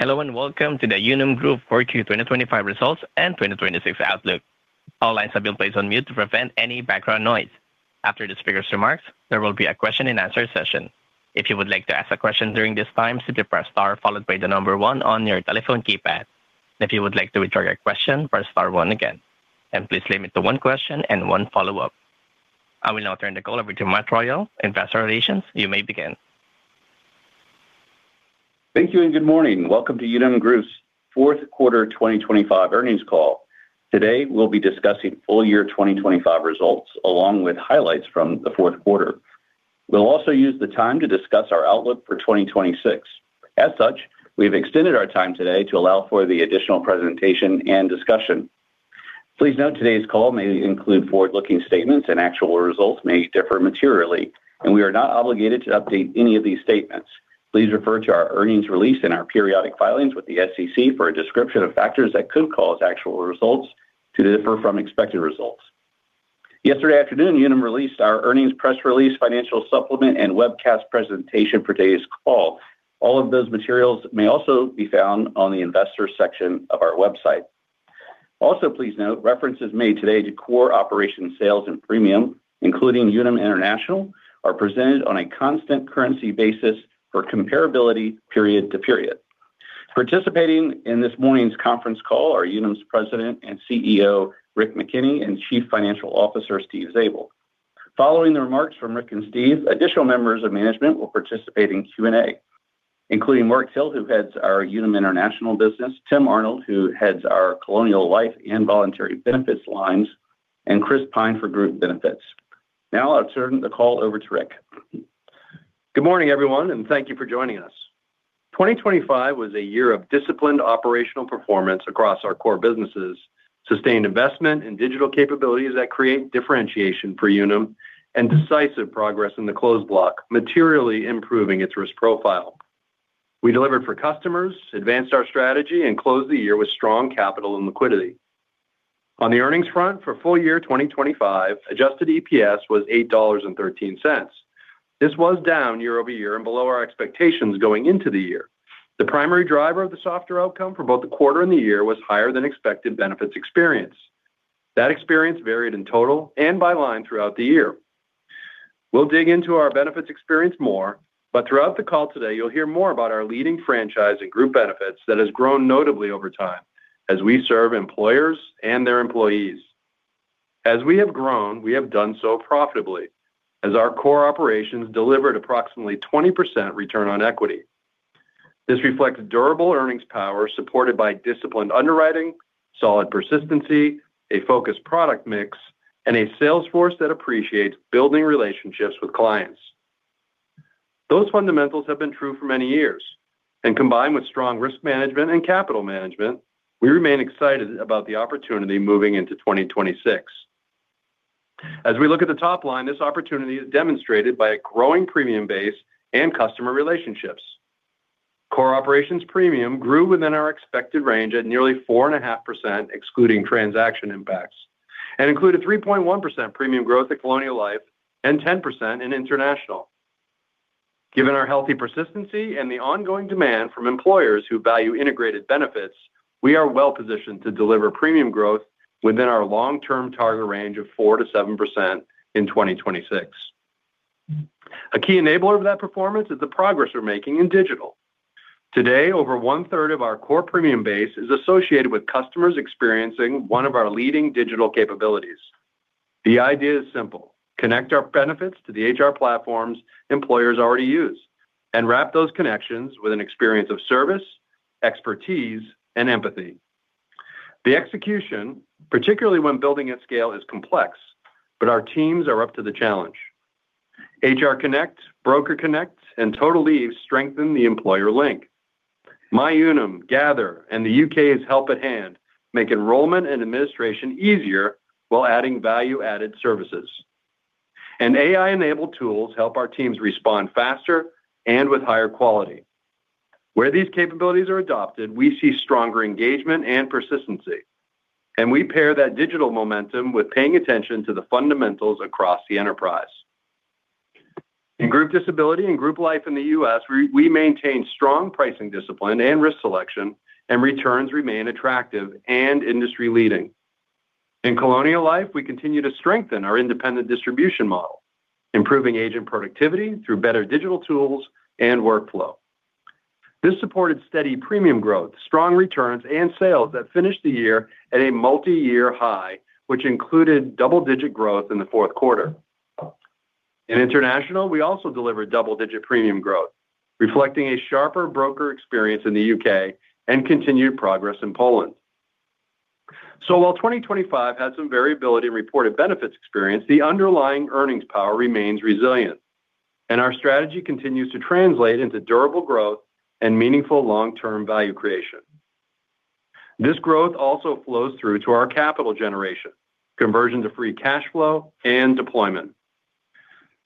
Hello, and welcome to the Unum Group 4Q 2025 results and 2026 outlook. All lines have been placed on mute to prevent any background noise. After the speaker's remarks, there will be a question and answer session. If you would like to ask a question during this time, simply press star followed by the number one on your telephone keypad. If you would like to withdraw your question, press star one again, and please limit to one question and one follow-up. I will now turn the call over to Matt Royal, Investor Relations. You may begin. Thank you, and good morning. Welcome to Unum Group's fourth quarter 2025 earnings call. Today, we'll be discussing full year 2025 results, along with highlights from the fourth quarter. We'll also use the time to discuss our outlook for 2026. As such, we've extended our time today to allow for the additional presentation and discussion. Please note, today's call may include forward-looking statements, and actual results may differ materially, and we are not obligated to update any of these statements. Please refer to our earnings release and our periodic filings with the SEC for a description of factors that could cause actual results to differ from expected results. Yesterday afternoon, Unum released our earnings press release, financial supplement, and webcast presentation for today's call. All of those materials may also be found on the Investor Section of our website. Also, please note, references made today to core operations, sales, and premium, including Unum International, are presented on a constant currency basis for comparability period to period. Participating in this morning's conference call are Unum's President and CEO, Rick McKenney, and Chief Financial Officer, Steve Zabel. Following the remarks from Rick and Steve, additional members of management will participate in Q&A, including Mark Till, who heads our Unum International business, Tim Arnold, who heads our Colonial Life and Voluntary Benefits lines, and Chris Pyne for Group Benefits. Now I'll turn the call over to Rick. Good morning, everyone, and thank you for joining us. 2025 was a year of disciplined operational performance across our core businesses, sustained investment in digital capabilities that create differentiation for Unum, and decisive progress in the Closed Block, materially improving its risk profile. We delivered for customers, advanced our strategy, and closed the year with strong capital and liquidity. On the earnings front, for full year 2025, adjusted EPS was $8.13. This was down year-over-year and below our expectations going into the year. The primary driver of the softer outcome for both the quarter and the year was higher than expected benefits experience. That experience varied in total and by line throughout the year. We'll dig into our benefits experience more, but throughout the call today, you'll hear more about our leading franchise and Group Benefits that has grown notably over time as we serve employers and their employees. As we have grown, we have done so profitably, as our core operations delivered approximately 20% return on equity. This reflects durable earnings power, supported by disciplined underwriting, solid persistency, a focused product mix, and a sales force that appreciates building relationships with clients. Those fundamentals have been true for many years, and combined with strong risk management and capital management, we remain excited about the opportunity moving into 2026. As we look at the top line, this opportunity is demonstrated by a growing premium base and customer relationships. Core operations premium grew within our expected range at nearly 4.5%, excluding transaction impacts, and included 3.1% premium growth at Colonial Life and 10% in International. Given our healthy persistency and the ongoing demand from employers who value integrated benefits, we are well-positioned to deliver premium growth within our long-term target range of 4%-7% in 2026. A key enabler of that performance is the progress we're making in digital. Today, over one-third of our core premium base is associated with customers experiencing one of our leading digital capabilities. The idea is simple: connect our benefits to the HR platforms employers already use, and wrap those connections with an experience of service, expertise, and empathy. The execution, particularly when building at scale, is complex, but our teams are up to the challenge. HR Connect, Broker Connect, and Total Leave strengthen the employer link. MyUnum, Gather, and the U.K.'s Help@hand make enrollment and administration easier while adding value-added services. And AI-enabled tools help our teams respond faster and with higher quality. Where these capabilities are adopted, we see stronger engagement and persistency, and we pair that digital momentum with paying attention to the fundamentals across the enterprise. In Group Disability and Group Life in the U.S., we maintain strong pricing discipline and risk selection, and returns remain attractive and industry-leading. In Colonial Life, we continue to strengthen our independent distribution model, improving agent productivity through better digital tools and workflow. This supported steady premium growth, strong returns, and sales that finished the year at a multi-year high, which included double-digit growth in the fourth quarter. In International, we also delivered double-digit premium growth, reflecting a sharper broker experience in the U.K. and continued progress in Poland. So while 2025 had some variability in reported benefits experience, the underlying earnings power remains resilient, and our strategy continues to translate into durable growth and meaningful long-term value creation. This growth also flows through to our capital generation, conversion to free cash flow, and deployment.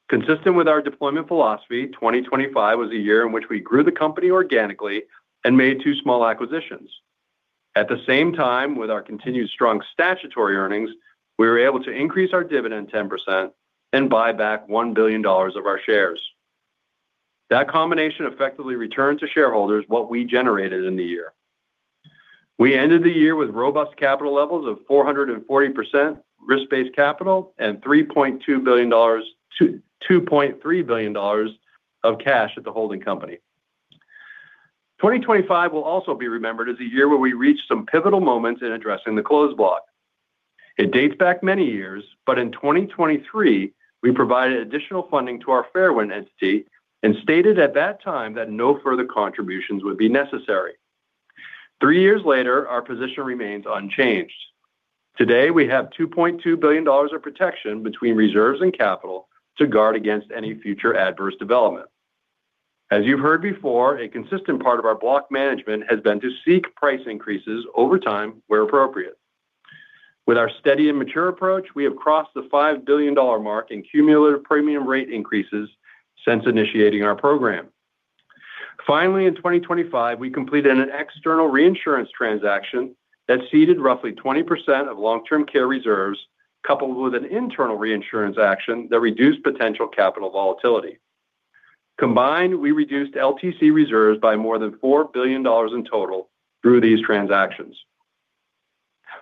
Consistent with our deployment philosophy, 2025 was a year in which we grew the company organically and made two small acquisitions. At the same time, with our continued strong statutory earnings, we were able to increase our dividend 10% and buy back $1 billion of our shares. That combination effectively returned to shareholders what we generated in the year. We ended the year with robust capital levels of 440% risk-based capital and $2.3 billion of cash at the holding company. 2025 will also be remembered as a year where we reached some pivotal moments in addressing the Closed Block. It dates back many years, but in 2023, we provided additional funding to our Fairwind entity and stated at that time that no further contributions would be necessary. Three years later, our position remains unchanged. Today, we have $2.2 billion of protection between reserves and capital to guard against any future adverse development. As you've heard before, a consistent part of our block management has been to seek price increases over time where appropriate. With our steady and mature approach, we have crossed the $5 billion mark in cumulative premium rate increases since initiating our program. Finally, in 2025, we completed an external reinsurance transaction that ceded roughly 20% of long-term care reserves, coupled with an internal reinsurance action that reduced potential capital volatility. Combined, we reduced LTC reserves by more than $4 billion in total through these transactions.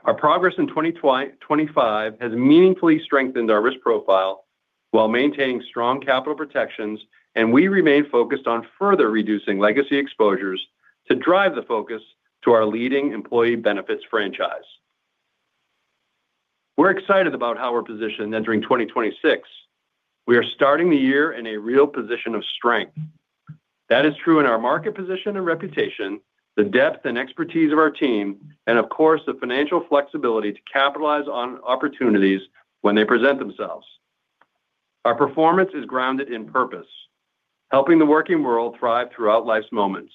Our progress in 2025 has meaningfully strengthened our risk profile while maintaining strong capital protections, and we remain focused on further reducing legacy exposures to drive the focus to our leading employee benefits franchise. We're excited about how we're positioned entering 2026. We are starting the year in a real position of strength. That is true in our market position and reputation, the depth and expertise of our team, and of course, the financial flexibility to capitalize on opportunities when they present themselves. Our performance is grounded in purpose, helping the working world thrive throughout life's moments,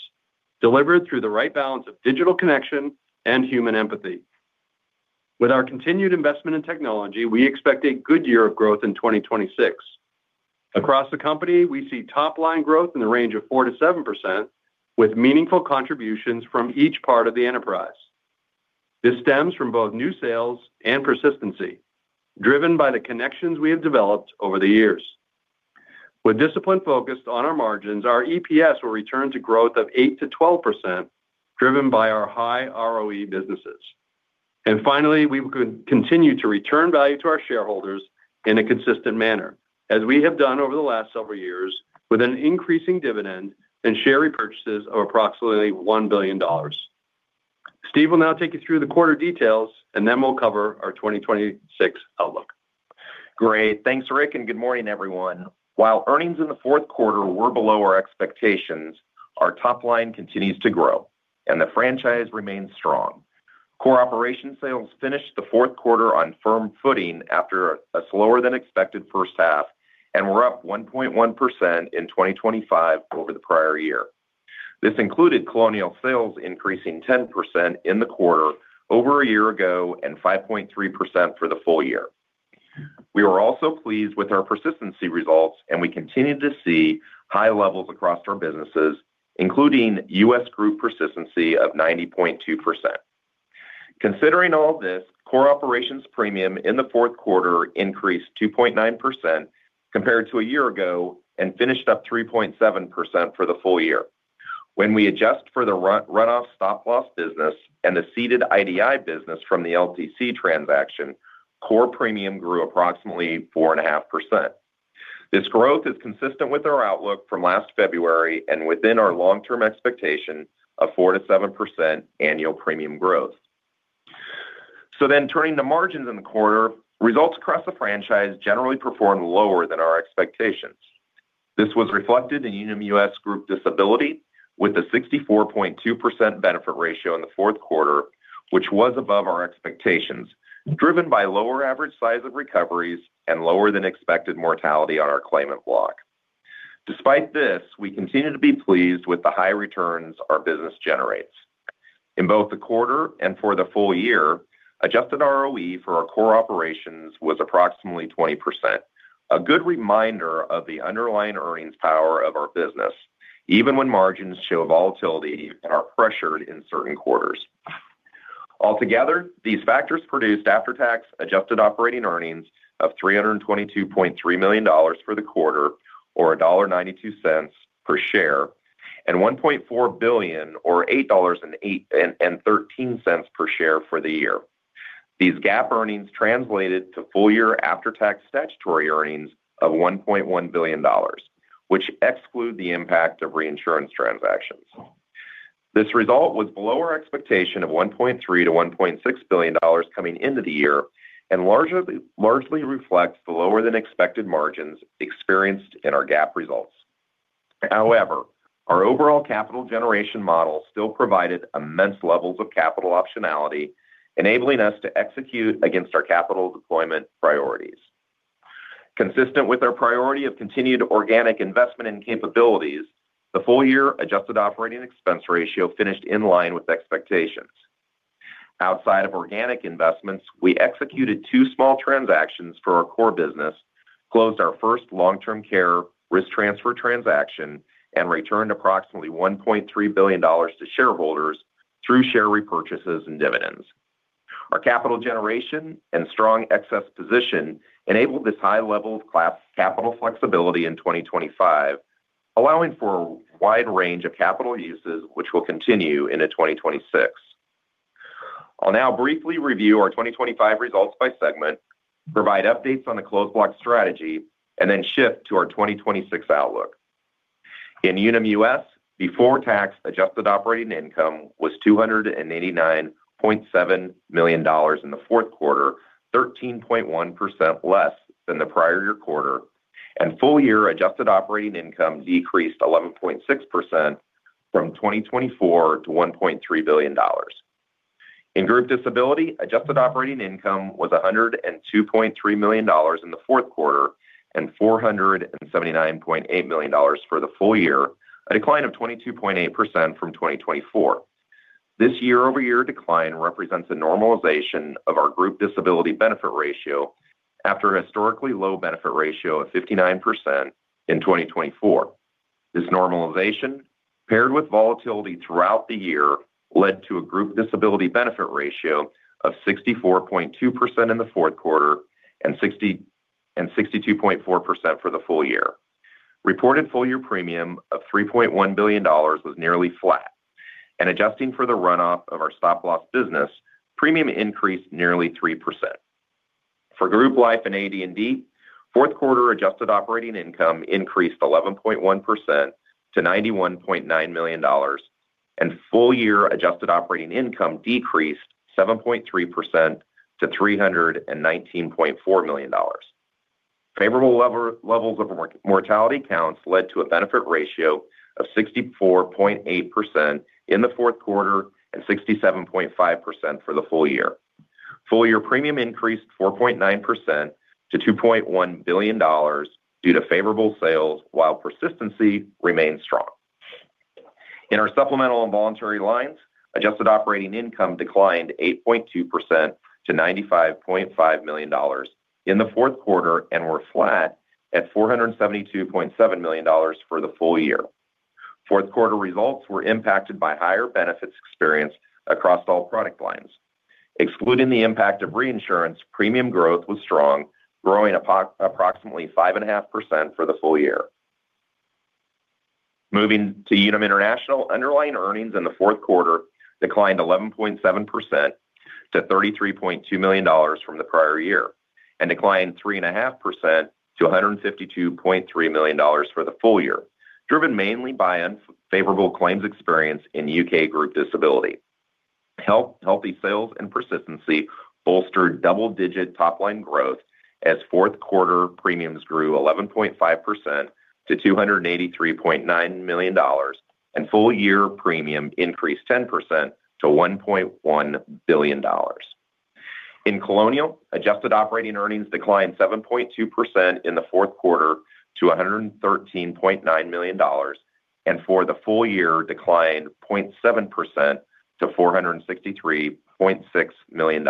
delivered through the right balance of digital connection and human empathy. With our continued investment in technology, we expect a good year of growth in 2026. Across the company, we see top-line growth in the range of 4%-7%, with meaningful contributions from each part of the enterprise. This stems from both new sales and persistency, driven by the connections we have developed over the years. With discipline focused on our margins, our EPS will return to growth of 8%-12%, driven by our high ROE businesses. And finally, we will continue to return value to our shareholders in a consistent manner, as we have done over the last several years, with an increasing dividend and share repurchases of approximately $1 billion. Steve will now take you through the quarter details, and then we'll cover our 2026 outlook. Great. Thanks, Rick, and good morning, everyone. While earnings in the fourth quarter were below our expectations, our top line continues to grow and the franchise remains strong. Core operations sales finished the fourth quarter on firm footing after a slower-than-expected first half, and were up 1.1% in 2025 over the prior year. This included Colonial sales increasing 10% in the quarter over a year ago, and 5.3% for the full year. We were also pleased with our persistency results, and we continue to see high levels across our businesses, including US Group persistency of 90.2%. Considering all this, core operations premium in the fourth quarter increased 2.9% compared to a year ago and finished up 3.7% for the full year. When we adjust for the runoff stop-loss business and the ceded IDI business from the LTC transaction, core premium grew approximately 4.5%. This growth is consistent with our outlook from last February and within our long-term expectation of 4%-7% annual premium growth. So then, turning to margins in the quarter, results across the franchise generally performed lower than our expectations. This was reflected in Unum US Group Disability, with a 64.2% Benefit Ratio in the fourth quarter, which was above our expectations, driven by lower average size of recoveries and lower-than-expected mortality on our claimant block. Despite this, we continue to be pleased with the high returns our business generates. In both the quarter and for the full year, Adjusted ROE for our core operations was approximately 20%, a good reminder of the underlying earnings power of our business, even when margins show volatility and are pressured in certain quarters. Altogether, these factors produced after-tax adjusted operating earnings of $322.3 million for the quarter, or $1.92 per share, and $1.4 billion, or $8.83 per share for the year. These GAAP earnings translated to full-year after-tax statutory earnings of $1.1 billion, which exclude the impact of reinsurance transactions. This result was below our expectation of $1.3 billion-$1.6 billion coming into the year and largely, largely reflects the lower-than-expected margins experienced in our GAAP results. However, our overall capital generation model still provided immense levels of capital optionality, enabling us to execute against our capital deployment priorities. Consistent with our priority of continued organic investment in capabilities, the full-year adjusted operating expense ratio finished in line with expectations. Outside of organic investments, we executed two small transactions for our core business, closed our first long-term care risk transfer transaction and returned approximately $1.3 billion to shareholders through share repurchases and dividends. Our capital generation and strong excess position enabled this high level of cash-capital flexibility in 2025, allowing for a wide range of capital uses, which will continue into 2026. I'll now briefly review our 2025 results by segment, provide updates on the Closed Block strategy, and then shift to our 2026 outlook. In Unum US, before tax, adjusted operating income was $289.7 million in the fourth quarter, 13.1% less than the prior year quarter, and full year adjusted operating income decreased 11.6% from 2024 to $1.3 billion. In Group Disability, adjusted operating income was $102.3 million in the fourth quarter and $479.8 million for the full year, a decline of 22.8% from 2024. This year-over-year decline represents a normalization of our group disability Benefit Ratio after a historically low Benefit Ratio of 59% in 2024. This normalization, paired with volatility throughout the year, led to a group disability Benefit Ratio of 64.2% in the fourth quarter and 62.4% for the full year. Reported full year premium of $3.1 billion was nearly flat, and adjusting for the runoff of our stop-loss business, premium increased nearly 3%. For Group Life and AD&D, fourth quarter adjusted operating income increased 11.1% to $91.9 million, and full year adjusted operating income decreased 7.3% to $319.4 million. Favorable levels of mortality counts led to a Benefit Ratio of 64.8% in the fourth quarter and 67.5% for the full year. Full year premium increased 4.9% to $2.1 billion due to favorable sales, while persistency remained strong. In our Supplemental and Voluntary lines, adjusted operating income declined 8.2% to $95.5 million in the fourth quarter and were flat at $472.7 million for the full year. Fourth quarter results were impacted by higher benefits experienced across all product lines. Excluding the impact of reinsurance, premium growth was strong, growing approximately 5.5% for the full year. Moving to Unum International, underlying earnings in the fourth quarter declined 11.7% to $33.2 million from the prior year, and declined 3.5% to $152.3 million for the full year, driven mainly by unfavorable claims experience in U.K. Group Disability. Healthy sales and persistency bolstered double-digit top-line growth as fourth quarter premiums grew 11.5% to $283.9 million, and full year premium increased 10% to $1.1 billion. In Colonial, adjusted operating earnings declined 7.2% in the fourth quarter to $113.9 million, and for the full year, declined 0.7% to $463.6 million.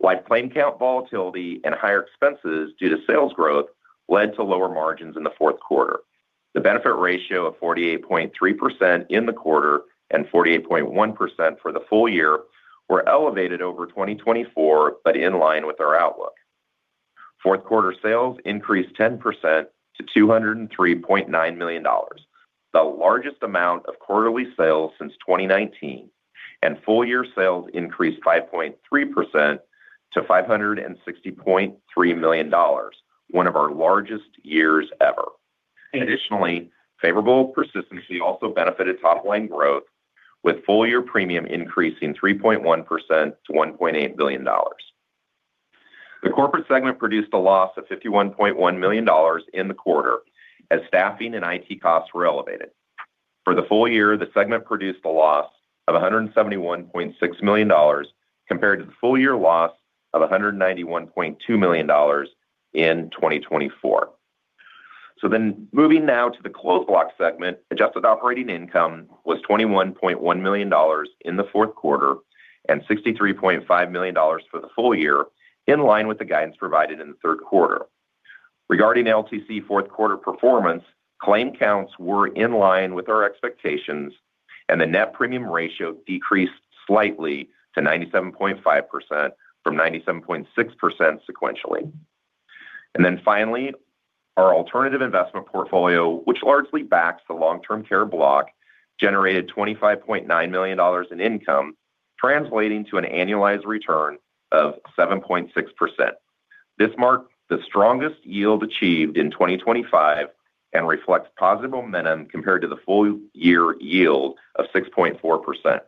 Life claim count volatility and higher expenses due to sales growth led to lower margins in the fourth quarter. The Benefit Ratio of 48.3% in the quarter and 48.1% for the full year were elevated over 2024, but in line with our outlook. Fourth quarter sales increased 10% to $203.9 million, the largest amount of quarterly sales since 2019, and full year sales increased 5.3% to $560.3 million, one of our largest years ever. Additionally, favorable persistency also benefited top-line growth, with full year premium increasing 3.1% to $1.8 billion. The Corporate segment produced a loss of $51.1 million in the quarter as staffing and IT costs were elevated. For the full year, the segment produced a loss of $171.6 million, compared to the full year loss of $191.2 million in 2024. So then moving now to the Closed Block segment, adjusted operating income was $21.1 million in the fourth quarter and $63.5 million for the full year, in line with the guidance provided in the third quarter. Regarding LTC fourth quarter performance, claim counts were in line with our expectations, and the net premium ratio decreased slightly to 97.5% from 97.6% sequentially. And then finally, our alternative investment portfolio, which largely backs the Long-Term Care block, generated $25.9 million in income, translating to an annualized return of 7.6%. This marked the strongest yield achieved in 2025 and reflects positive momentum compared to the full year yield of 6.4%.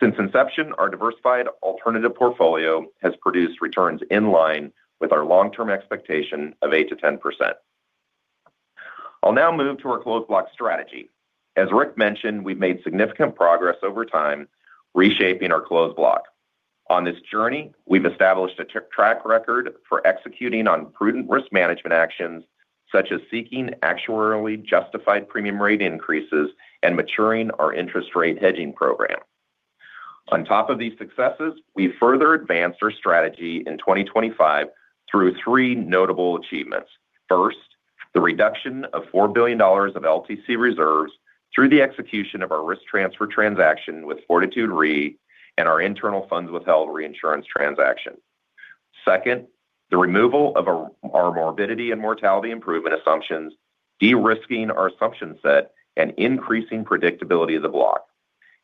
Since inception, our diversified alternative portfolio has produced returns in line with our long-term expectation of 8%-10%. I'll now move to our Closed Block strategy. As Rick mentioned, we've made significant progress over time, reshaping our Closed Block. On this journey, we've established a track record for executing on prudent risk management actions, such as seeking actuarially justified premium rate increases and maturing our interest rate hedging program. On top of these successes, we further advanced our strategy in 2025 through three notable achievements. First, the reduction of $4 billion of LTC reserves through the execution of our risk transfer transaction with Fortitude Re and our internal funds withheld reinsurance transaction. Second, the removal of our morbidity and mortality improvement assumptions, de-risking our assumption set, and increasing predictability of the block.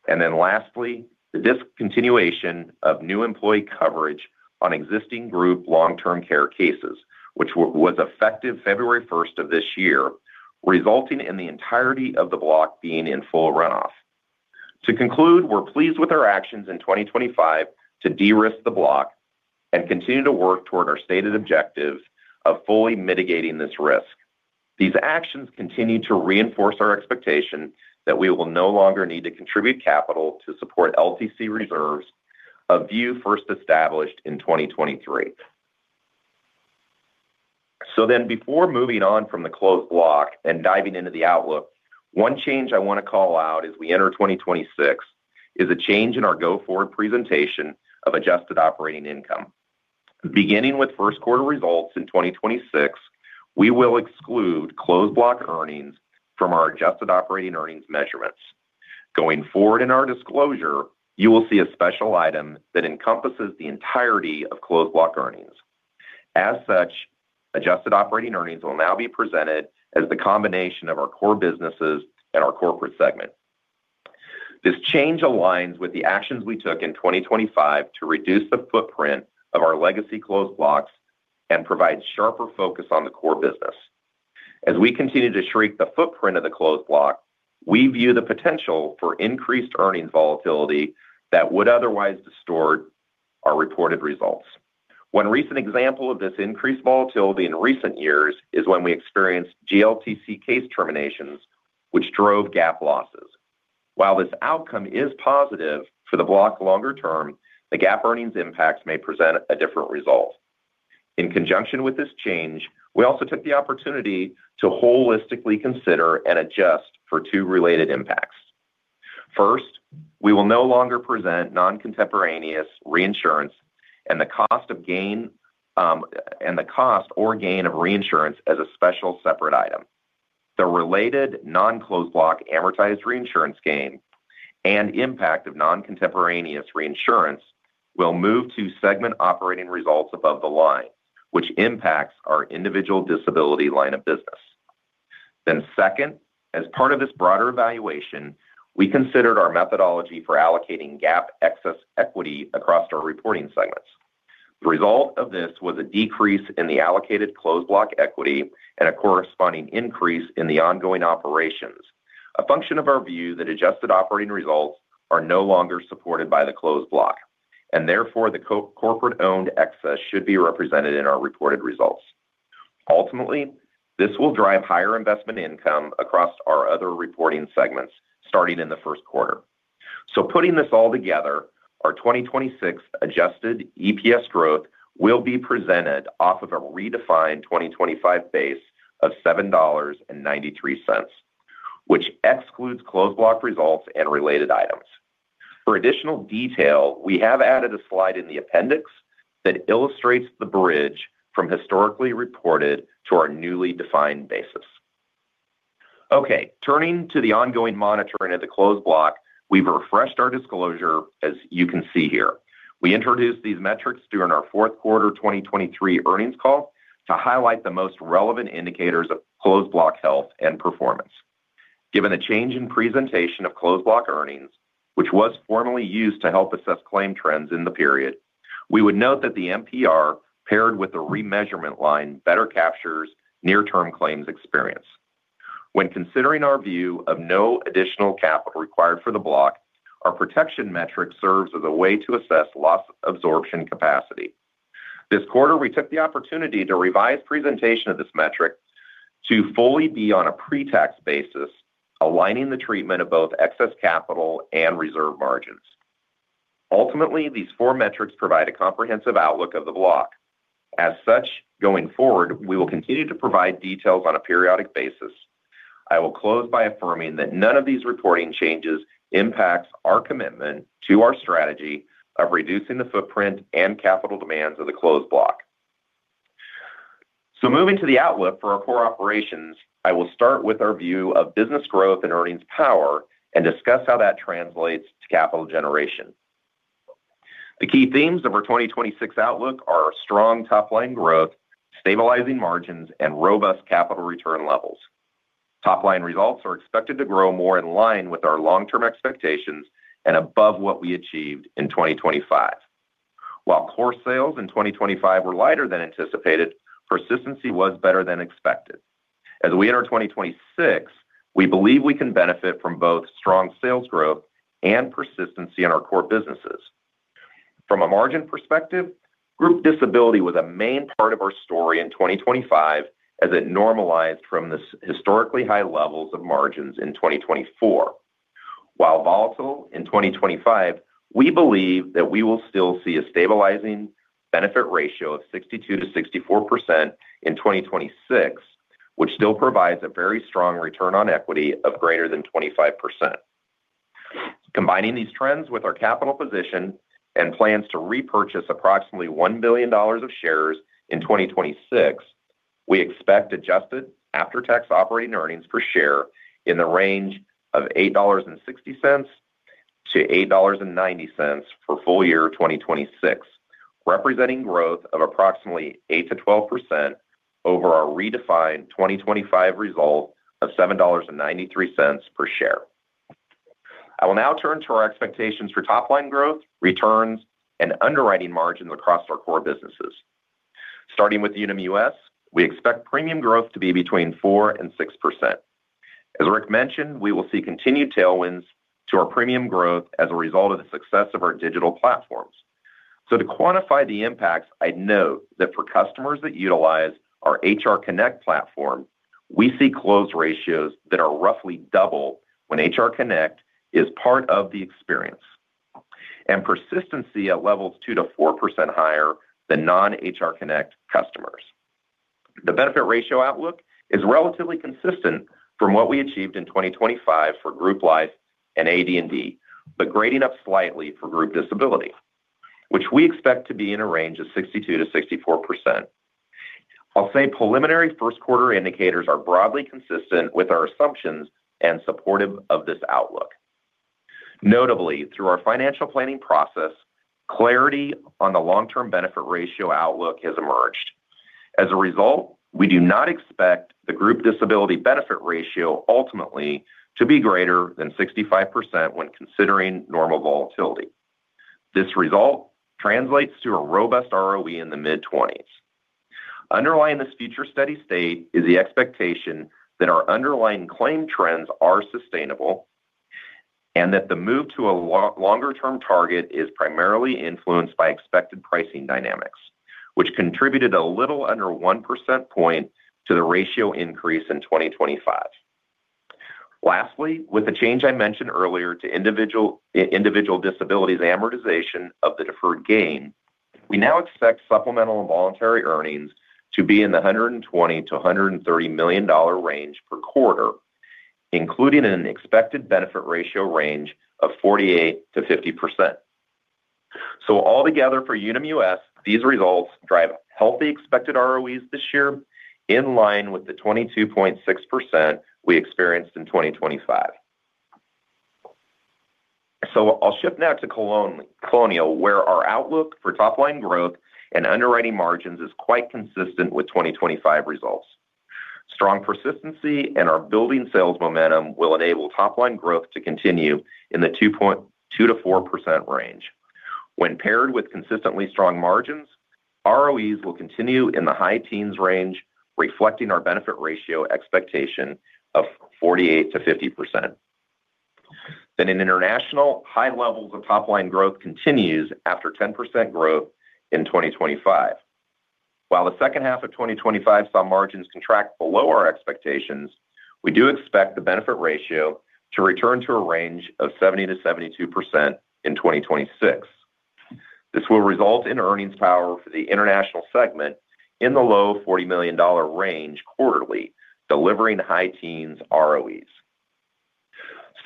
Then lastly, the discontinuation of new employee coverage on existing group Long-Term Care cases, which was effective February 1st of this year, resulting in the entirety of the block being in full runoff. To conclude, we're pleased with our actions in 2025 to de-risk the block and continue to work toward our stated objective of fully mitigating this risk. These actions continue to reinforce our expectation that we will no longer need to contribute capital to support LTC reserves, a view first established in 2023. So then, before moving on from the Closed Block and diving into the outlook, one change I want to call out as we enter 2026 is a change in our go-forward presentation of adjusted operating income. Beginning with first quarter results in 2026, we will exclude Closed Block earnings from our Adjusted Operating Earnings measurements. Going forward in our disclosure, you will see a special item that encompasses the entirety of Closed Block earnings. As such, Adjusted Operating Earnings will now be presented as the combination of our core businesses and our Corporate segment. This change aligns with the actions we took in 2025 to reduce the footprint of our legacy Closed Blocks and provide sharper focus on the core business. As we continue to shrink the footprint of the Closed Block, we view the potential for increased earnings volatility that would otherwise distort our reported results. One recent example of this increased volatility in recent years is when we experienced GLTC case terminations, which drove GAAP losses. While this outcome is positive for the block longer term, the GAAP earnings impacts may present a different result. In conjunction with this change, we also took the opportunity to holistically consider and adjust for two related impacts. First, we will no longer present non-contemporaneous reinsurance and the cost of gain, and the cost or gain of reinsurance as a special separate item. The related non-Closed Block amortized reinsurance gain and impact of non-contemporaneous reinsurance will move to segment operating results above the line, which impacts our individual disability line of business. Then second, as part of this broader evaluation, we considered our methodology for allocating GAAP excess equity across our reporting segments. The result of this was a decrease in the allocated Closed Block equity and a corresponding increase in the ongoing operations, a function of our view that adjusted operating results are no longer supported by the Closed Block, and therefore the corporate-owned excess should be represented in our reported results. Ultimately, this will drive higher investment income across our other reporting segments starting in the first quarter. So putting this all together, our 2026 adjusted EPS growth will be presented off of a redefined 2025 base of $7.93, which excludes Closed Block results and related items. For additional detail, we have added a slide in the appendix that illustrates the bridge from historically reported to our newly defined basis. Okay, turning to the ongoing monitoring of the Closed Block, we've refreshed our disclosure, as you can see here. We introduced these metrics during our fourth quarter 2023 earnings call to highlight the most relevant indicators of Closed Block health and performance. Given the change in presentation of Closed Block earnings, which was formerly used to help assess claim trends in the period, we would note that the MPR, paired with the remeasurement line, better captures near-term claims experience. When considering our view of no additional capital required for the block, our protection metric serves as a way to assess loss absorption capacity. This quarter, we took the opportunity to revise presentation of this metric to fully be on a pre-tax basis, aligning the treatment of both excess capital and reserve margins. Ultimately, these four metrics provide a comprehensive outlook of the block. As such, going forward, we will continue to provide details on a periodic basis. I will close by affirming that none of these reporting changes impacts our commitment to our strategy of reducing the footprint and capital demands of the Closed Block. Moving to the outlook for our core operations, I will start with our view of business growth and earnings power and discuss how that translates to capital generation. The key themes of our 2026 outlook are strong top-line growth, stabilizing margins, and robust capital return levels. Top-line results are expected to grow more in line with our long-term expectations and above what we achieved in 2025. While core sales in 2025 were lighter than anticipated, persistency was better than expected. As we enter 2026, we believe we can benefit from both strong sales growth and persistency in our core businesses. From a margin perspective, Group Disability was a main part of our story in 2025 as it normalized from the historically high levels of margins in 2024. While volatile in 2025, we believe that we will still see a stabilizing Benefit Ratio of 62%-64% in 2026, which still provides a very strong return on equity of greater than 25%. Combining these trends with our capital position and plans to repurchase approximately $1 billion of shares in 2026, we expect adjusted after-tax operating earnings per share in the range of $8.60-$8.90 for full year 2026, representing growth of approximately 8%-12% over our redefined 2025 result of $7.93 per share. I will now turn to our expectations for top line growth, returns, and underwriting margins across our core businesses. Starting with Unum US, we expect premium growth to be between 4% and 6%. As Rick mentioned, we will see continued tailwinds to our premium growth as a result of the success of our digital platforms. To quantify the impacts, I'd note that for customers that utilize our HR Connect platform, we see close ratios that are roughly double when HR Connect is part of the experience, and persistency at levels 2%-4% higher than non-HR Connect customers. The Benefit Ratio outlook is relatively consistent from what we achieved in 2025 for Group Life and AD&D, but grading up slightly for Group Disability, which we expect to be in a range of 62%-64%. I'll say preliminary first quarter indicators are broadly consistent with our assumptions and supportive of this outlook. Notably, through our financial planning process, clarity on the long-term Benefit Ratio outlook has emerged. As a result, we do not expect the group disability Benefit Ratio ultimately to be greater than 65% when considering normal volatility. This result translates to a robust ROE in the mid-20s. Underlying this future steady state is the expectation that our underlying claim trends are sustainable, and that the move to a longer term target is primarily influenced by expected pricing dynamics, which contributed a little under 1 percentage point to the ratio increase in 2025. Lastly, with the change I mentioned earlier to Individual Disability's amortization of the deferred gain, we now expect Supplemental and Voluntary earnings to be in the $120 million-$130 million range per quarter, including an expected Benefit Ratio range of 48%-50%. So all together, for Unum US, these results drive healthy expected ROEs this year, in line with the 22.6% we experienced in 2025. So I'll shift now to Colonial, where our outlook for top line growth and underwriting margins is quite consistent with 2025 results. Strong persistency and our building sales momentum will enable top line growth to continue in the 2%-4% range. When paired with consistently strong margins, ROEs will continue in the high teens range, reflecting our Benefit Ratio expectation of 48%-50%. Then in international, high levels of top line growth continues after 10% growth in 2025. While the second half of 2025 saw margins contract below our expectations, we do expect the Benefit Ratio to return to a range of 70%-72% in 2026. This will result in earnings power for the international segment in the low $40 million range quarterly, delivering high teens ROEs.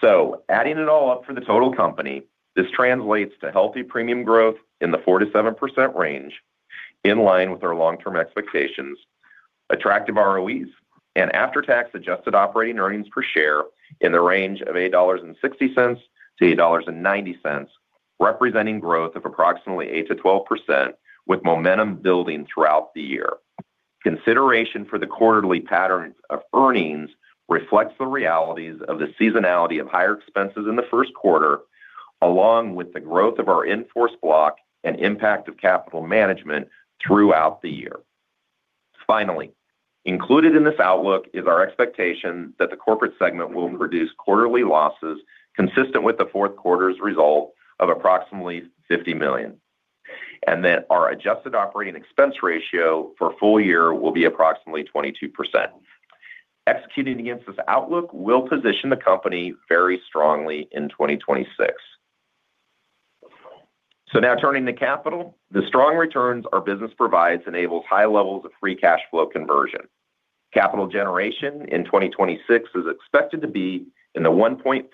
So adding it all up for the total company, this translates to healthy premium growth in the 4%-7% range, in line with our long-term expectations, attractive ROEs, and after-tax adjusted operating earnings per share in the range of $8.60-$8.90, representing growth of approximately 8%-12%, with momentum building throughout the year. Consideration for the quarterly patterns of earnings reflects the realities of the seasonality of higher expenses in the first quarter, along with the growth of our in-force block and impact of capital management throughout the year. Finally, included in this outlook is our expectation that the Corporate segment will produce quarterly losses consistent with the fourth quarter's result of approximately $50 million, and that our adjusted operating expense ratio for full year will be approximately 22%. Executing against this outlook will position the company very strongly in 2026. So now turning to capital. The strong returns our business provides enables high levels of free cash flow conversion. Capital generation in 2026 is expected to be in the $1.4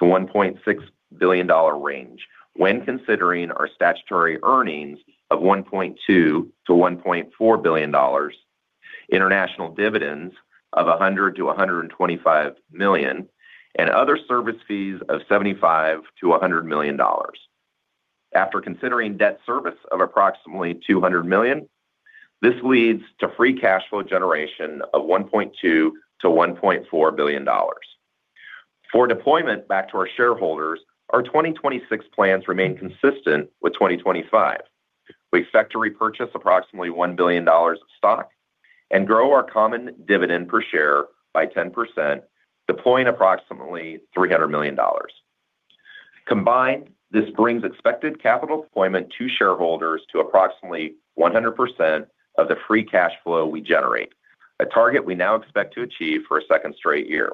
billion-$1.6 billion range when considering our statutory earnings of $1.2 billion-$1.4 billion, international dividends of $100 million-$125 million, and other service fees of $75 million-$100 million. After considering debt service of approximately $200 million, this leads to free cash flow generation of $1.2 billion-$1.4 billion. For deployment back to our shareholders, our 2026 plans remain consistent with 2025. We expect to repurchase approximately $1 billion of stock and grow our common dividend per share by 10%, deploying approximately $300 million. Combined, this brings expected capital deployment to shareholders to approximately 100% of the free cash flow we generate, a target we now expect to achieve for a second straight year.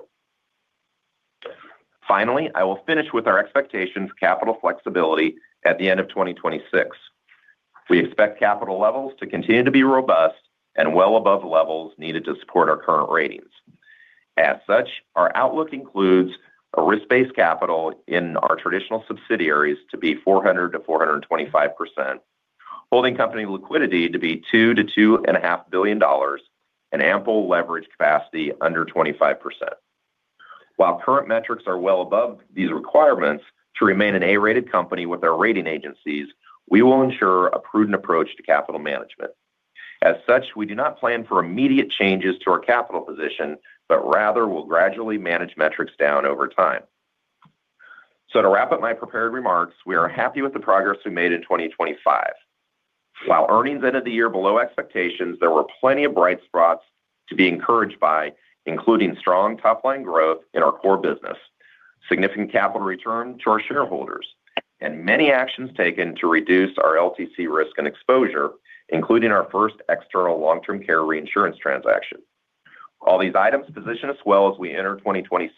Finally, I will finish with our expectations capital flexibility at the end of 2026. We expect capital levels to continue to be robust and well above levels needed to support our current ratings. As such, our outlook includes a risk-based capital in our traditional subsidiaries to be 400%-425%, holding company liquidity to be $2 billion-$2.5 billion, an ample leverage capacity under 25%. While current metrics are well above these requirements to remain an A-rated company with our rating agencies, we will ensure a prudent approach to capital management. As such, we do not plan for immediate changes to our capital position, but rather will gradually manage metrics down over time. So to wrap up my prepared remarks, we are happy with the progress we made in 2025. While earnings ended the year below expectations, there were plenty of bright spots to be encouraged by, including strong top-line growth in our core business, significant capital return to our shareholders, and many actions taken to reduce our LTC risk and exposure, including our first external long-term care reinsurance transaction. All these items position us well as we enter 2026.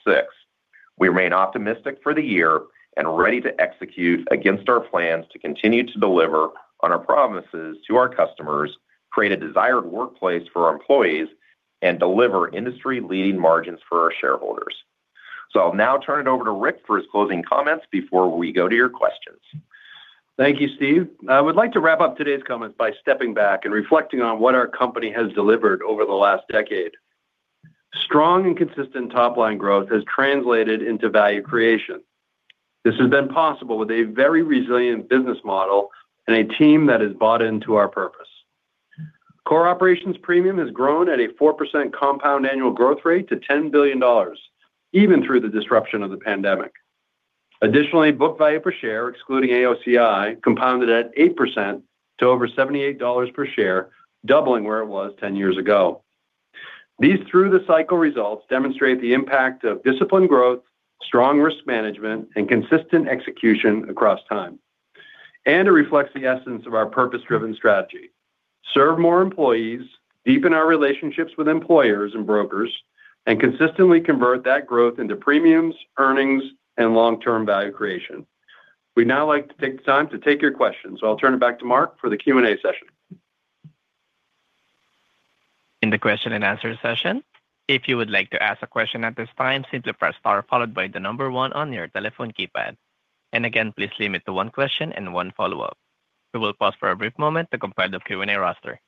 We remain optimistic for the year and ready to execute against our plans to continue to deliver on our promises to our customers, create a desired workplace for our employees, and deliver industry-leading margins for our shareholders. I'll now turn it over to Rick for his closing comments before we go to your questions. Thank you, Steve. I would like to wrap up today's comments by stepping back and reflecting on what our company has delivered over the last decade. Strong and consistent top-line growth has translated into value creation. This has been possible with a very resilient business model and a team that has bought into our purpose. Core operations premium has grown at a 4% compound annual growth rate to $10 billion, even through the disruption of the pandemic. Additionally, book value per share, excluding AOCI, compounded at 8% to over $78 per share, doubling where it was 10 years ago. These through the cycle results demonstrate the impact of disciplined growth, strong risk management, and consistent execution across time. It reflects the essence of our purpose-driven strategy: serve more employees, deepen our relationships with employers and brokers, and consistently convert that growth into premiums, earnings, and long-term value creation. We'd now like to take the time to take your questions, so I'll turn it back to Mark for the Q&A session. In the question and answer session, if you would like to ask a question at this time, simply press star followed by the number one on your telephone keypad. Again, please limit to one question and one follow-up. We will pause for a brief moment to compile the Q&A roster.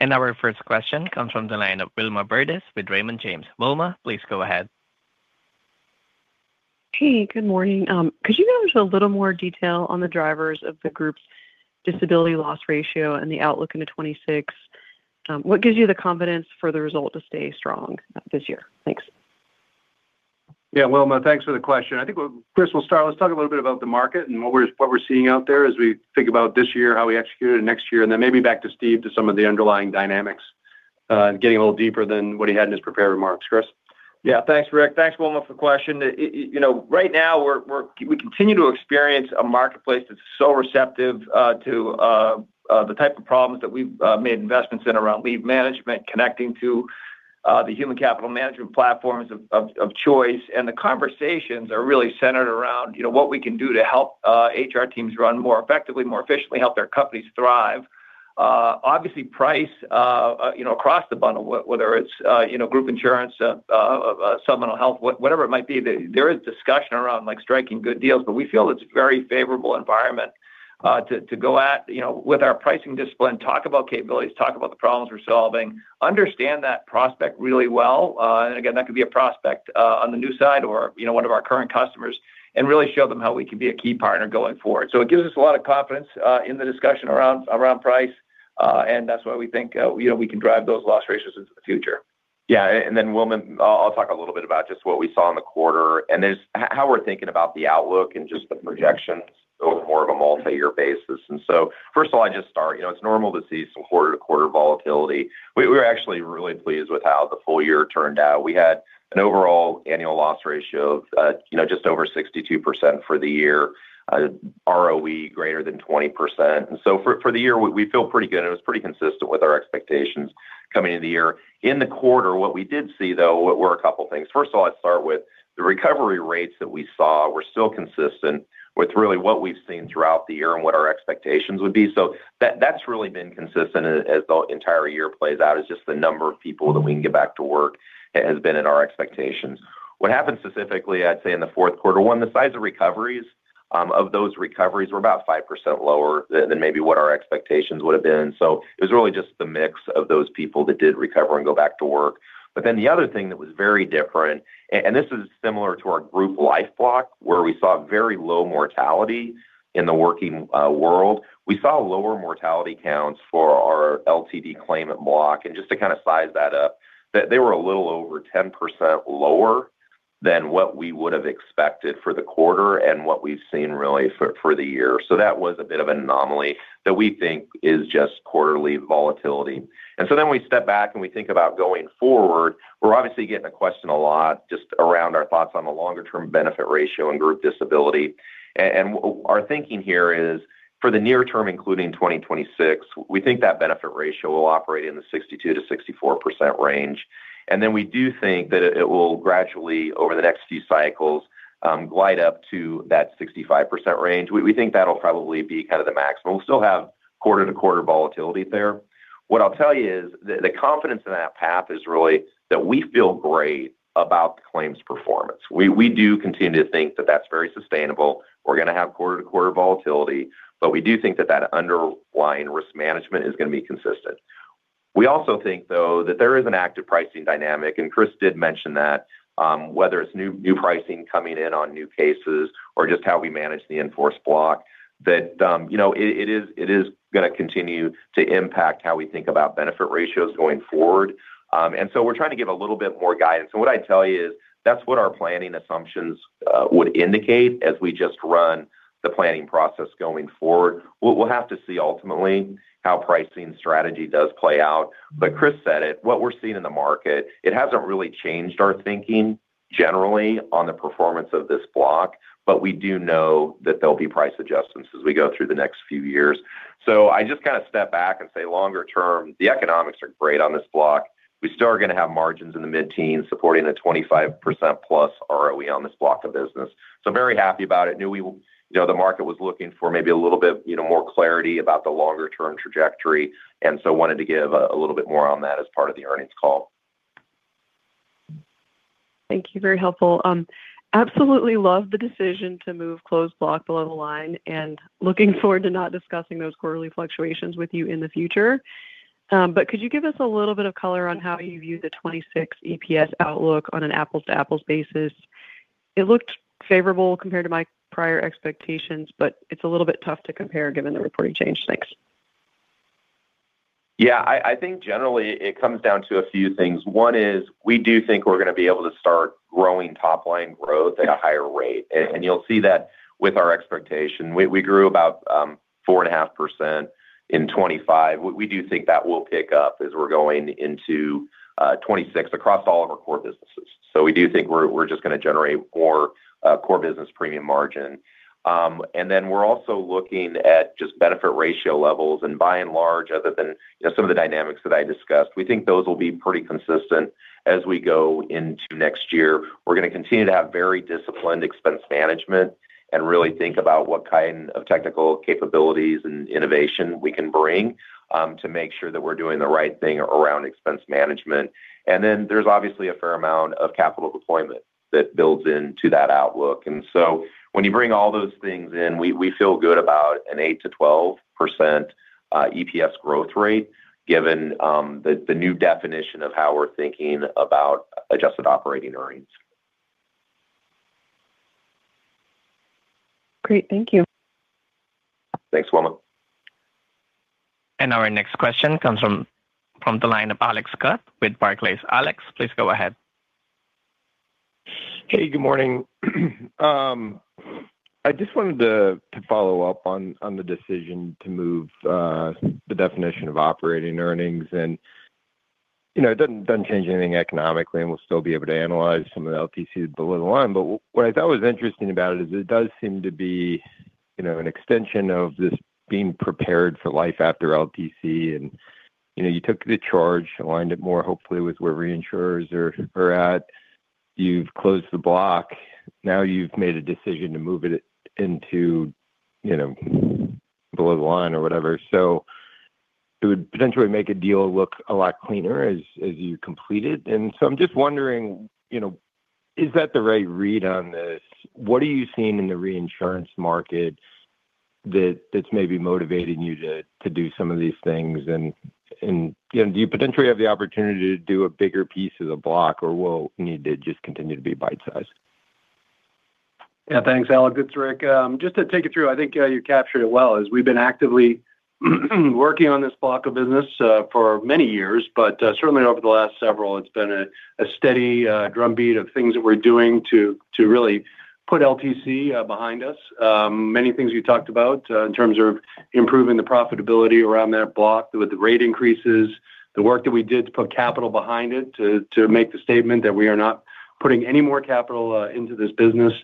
Our first question comes from the line of Wilma Burdis with Raymond James. Wilma, please go ahead. Hey, good morning. Could you go into a little more detail on the drivers of the Group's Disability loss ratio and the outlook into 2026? What gives you the confidence for the result to stay strong this year? Thanks. Yeah, Wilma, thanks for the question. I think, Chris, we'll start. Let's talk a little bit about the market and what we're, what we're seeing out there as we think about this year, how we execute it next year, and then maybe back to Steve to some of the underlying dynamics, and getting a little deeper than what he had in his prepared remarks. Chris? Yeah. Thanks, Rick. Thanks, Wilma, for the question. You know, right now, we're, we continue to experience a marketplace that's so receptive to the type of problems that we've made investments in around leave management, connecting to the human capital management platforms of choice. And the conversations are really centered around, you know, what we can do to help HR teams run more effectively, more efficiently, help their companies thrive. Obviously, price, you know, across the bundle, whether it's, you know, Group insurance, supplemental health, whatever it might be, there is discussion around, like, striking good deals, but we feel it's very favorable environment to go at, you know, with our pricing discipline, talk about capabilities, talk about the problems we're solving, understand that prospect really well. And again, that could be a prospect on the new side or, you know, one of our current customers, and really show them how we can be a key partner going forward. So it gives us a lot of confidence in the discussion around price, and that's why we think, you know, we can drive those loss ratios into the future. Yeah, and then Wilma, I'll talk a little bit about just what we saw in the quarter, and there's how we're thinking about the outlook and just the projections over more of a multi-year basis. And so, first of all, I just start, you know, it's normal to see some quarter-to-quarter volatility. We're actually really pleased with how the full year turned out. We had an overall annual loss ratio of, you know, just over 62% for the year, ROE greater than 20%. And so for the year, we feel pretty good, and it was pretty consistent with our expectations coming into the year. In the quarter, what we did see, though, were a couple things. First of all, I'd start with the recovery rates that we saw were still consistent with really what we've seen throughout the year and what our expectations would be. So that's really been consistent as the entire year plays out, is just the number of people that we can get back to work has been in our expectations. What happened specifically, I'd say, in the fourth quarter, one, the size of recoveries, of those recoveries were about 5% lower than maybe what our expectations would have been. So it was really just the mix of those people that did recover and go back to work. But then the other thing that was very different, and this is similar to our Group Life block, where we saw very low mortality in the working world. We saw lower mortality counts for our LTD claimant block, and just to kind of size that up, they were a little over 10% lower than what we would have expected for the quarter and what we've seen really for the year. So that was a bit of an anomaly that we think is just quarterly volatility. And so then we step back, and we think about going forward. We're obviously getting a question a lot just around our thoughts on the longer-term Benefit Ratio and Group Disability. Our thinking here is, for the near term, including 2026, we think that Benefit Ratio will operate in the 62%-64% range. And then we do think that it will gradually, over the next few cycles, glide up to that 65% range. We think that'll probably be kind of the maximum. We'll still have quarter-to-quarter volatility there. What I'll tell you is the confidence in that path is really that we feel great about the claims performance. We do continue to think that that's very sustainable. We're going to have quarter-to-quarter volatility, but we do think that that underlying risk management is going to be consistent. We also think, though, that there is an active pricing dynamic, and Chris did mention that, whether it's new pricing coming in on new cases or just how we manage the in-force block, that, you know, it is going to continue to impact how we think about Benefit Ratios going forward. And so we're trying to give a little bit more guidance. So what I'd tell you is, that's what our planning assumptions would indicate as we just run the planning process going forward. We'll have to see ultimately how pricing strategy does play out. But Chris said it, what we're seeing in the market, it hasn't really changed our thinking generally on the performance of this block, but we do know that there'll be price adjustments as we go through the next few years. So I just kind of step back and say, longer term, the economics are great on this block. We still are going to have margins in the mid-teen, supporting a 25%+ ROE on this block of business. So very happy about it. You know, the market was looking for maybe a little bit, you know, more clarity about the longer term trajectory, and so wanted to give a little bit more on that as part of the earnings call. Thank you. Very helpful. Absolutely love the decision to move Closed Block below the line, and looking forward to not discussing those quarterly fluctuations with you in the future. But could you give us a little bit of color on how you view the 2026 EPS outlook on an apples-to-apples basis? It looked favorable compared to my prior expectations, but it's a little bit tough to compare, given the reporting change. Thanks. Yeah, I, I think generally it comes down to a few things. One is, we do think we're going to be able to start growing top-line growth at a higher rate, and, and you'll see that with our expectation. We, we grew about 4.5% in 2025. We, we do think that will pick up as we're going into 2026 across all of our core businesses. So we do think we're, we're just going to generate more core business premium margin. And then we're also looking at just Benefit Ratio levels, and by and large, other than, you know, some of the dynamics that I discussed, we think those will be pretty consistent as we go into next year. We're going to continue to have very disciplined expense management and really think about what kind of technical capabilities and innovation we can bring to make sure that we're doing the right thing around expense management. And then there's obviously a fair amount of capital deployment that builds into that outlook. And so when you bring all those things in, we feel good about an 8%-12% EPS growth rate, given the new definition of how we're thinking about Adjusted Operating Earnings. Great. Thank you. Thanks, Wilma. Our next question comes from the line of Alex Scott with Barclays. Alex, please go ahead. Hey, good morning. I just wanted to follow up on the decision to move the definition of operating earnings. And, you know, it doesn't change anything economically, and we'll still be able to analyze some of the LTC below the line. But what I thought was interesting about it is it does seem to be, you know, an extension of just being prepared for life after LTC, and, you know, you took the charge and aligned it more hopefully with where reinsurers are at. You've closed the block, now you've made a decision to move it into, you know, below the line or whatever. So it would potentially make a deal look a lot cleaner as you complete it. And so I'm just wondering, you know, is that the right read on this? What are you seeing in the reinsurance market that's maybe motivating you to do some of these things? And you know, do you potentially have the opportunity to do a bigger piece of the block, or will it need to just continue to be bite-sized? Yeah. Thanks, Alex. It's Rick. Just to take you through, I think, you captured it well, as we've been actively, working on this block of business, for many years, but, certainly over the last several, it's been a steady, drumbeat of things that we're doing to, to really put LTC, behind us. Many things you talked about, in terms of improving the profitability around that block with the rate increases, the work that we did to put capital behind it, to, to make the statement that we are not putting any more capital, into this business.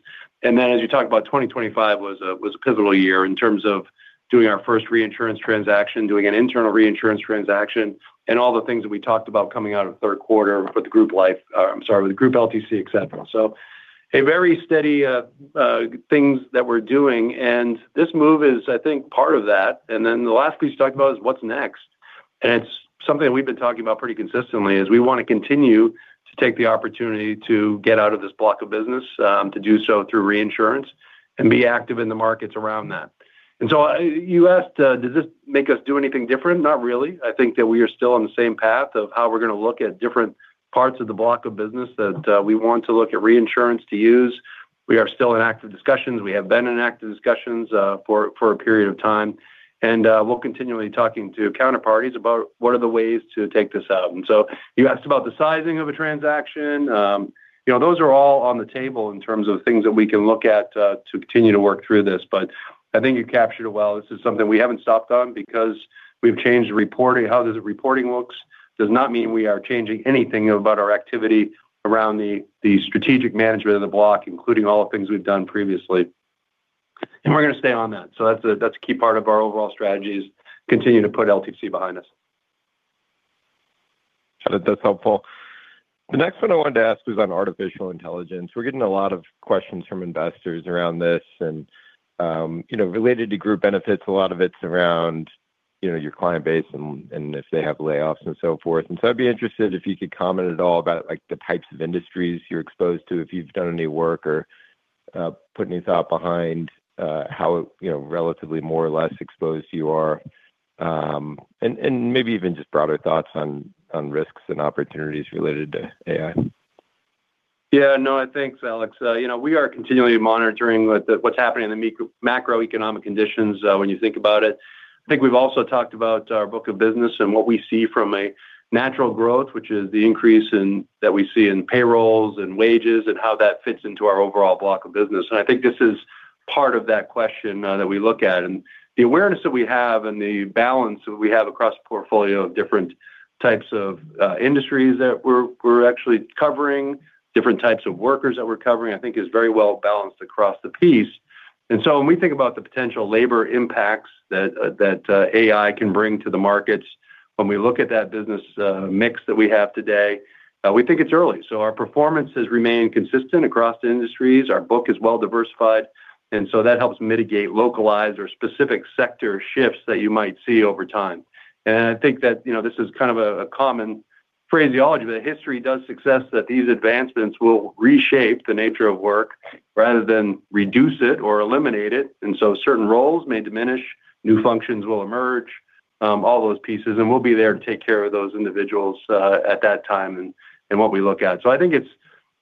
And then, as you talked about, 2025 was a pivotal year in terms of doing our first reinsurance transaction, doing an internal reinsurance transaction, and all the things that we talked about coming out of the third quarter with Group LTC, et cetera. So a very steady things that we're doing, and this move is, I think, part of that. And then the last piece to talk about is what's next? And it's something we've been talking about pretty consistently, is we want to continue to take the opportunity to get out of this block of business, to do so through reinsurance and be active in the markets around that. And so you asked, does this make us do anything different? Not really. I think that we are still on the same path of how we're going to look at different parts of the block of business, that we want to look at reinsurance to use. We are still in active discussions. We have been in active discussions for a period of time, and we'll continually talking to counterparties about what are the ways to take this out. And so you asked about the sizing of a transaction. You know, those are all on the table in terms of things that we can look at to continue to work through this. But I think you captured it well. This is something we haven't stopped on. Because we've changed the reporting, how the reporting looks, does not mean we are changing anything about our activity around the, the strategic management of the block, including all the things we've done previously. And we're gonna stay on that. So that's a, that's a key part of our overall strategy, is continue to put LTC behind us. Got it. That's helpful. The next one I wanted to ask is on artificial intelligence. We're getting a lot of questions from investors around this, and you know, related to Group Benefits, a lot of it's around you know, your client base and if they have layoffs and so forth. And so I'd be interested if you could comment at all about, like, the types of industries you're exposed to, if you've done any work or put any thought behind how you know, relatively more or less exposed you are. And maybe even just broader thoughts on risks and opportunities related to AI. Yeah, no, thanks, Alex. You know, we are continually monitoring what's happening in the macroeconomic conditions, when you think about it. I think we've also talked about our book of business and what we see from a natural growth, which is the increase that we see in payrolls and wages, and how that fits into our overall block of business. And I think this is part of that question that we look at. And the awareness that we have and the balance that we have across the portfolio of different types of industries that we're, we're actually covering, different types of workers that we're covering, I think is very well balanced across the piece. When we think about the potential labor impacts that AI can bring to the markets, when we look at that business mix that we have today, we think it's early. So our performance has remained consistent across the industries. Our book is well diversified, and so that helps mitigate localized or specific sector shifts that you might see over time. And I think that, you know, this is kind of a common phraseology, but history does suggest that these advancements will reshape the nature of work rather than reduce it or eliminate it. And so certain roles may diminish, new functions will emerge, all those pieces, and we'll be there to take care of those individuals at that time and what we look at. So I think it's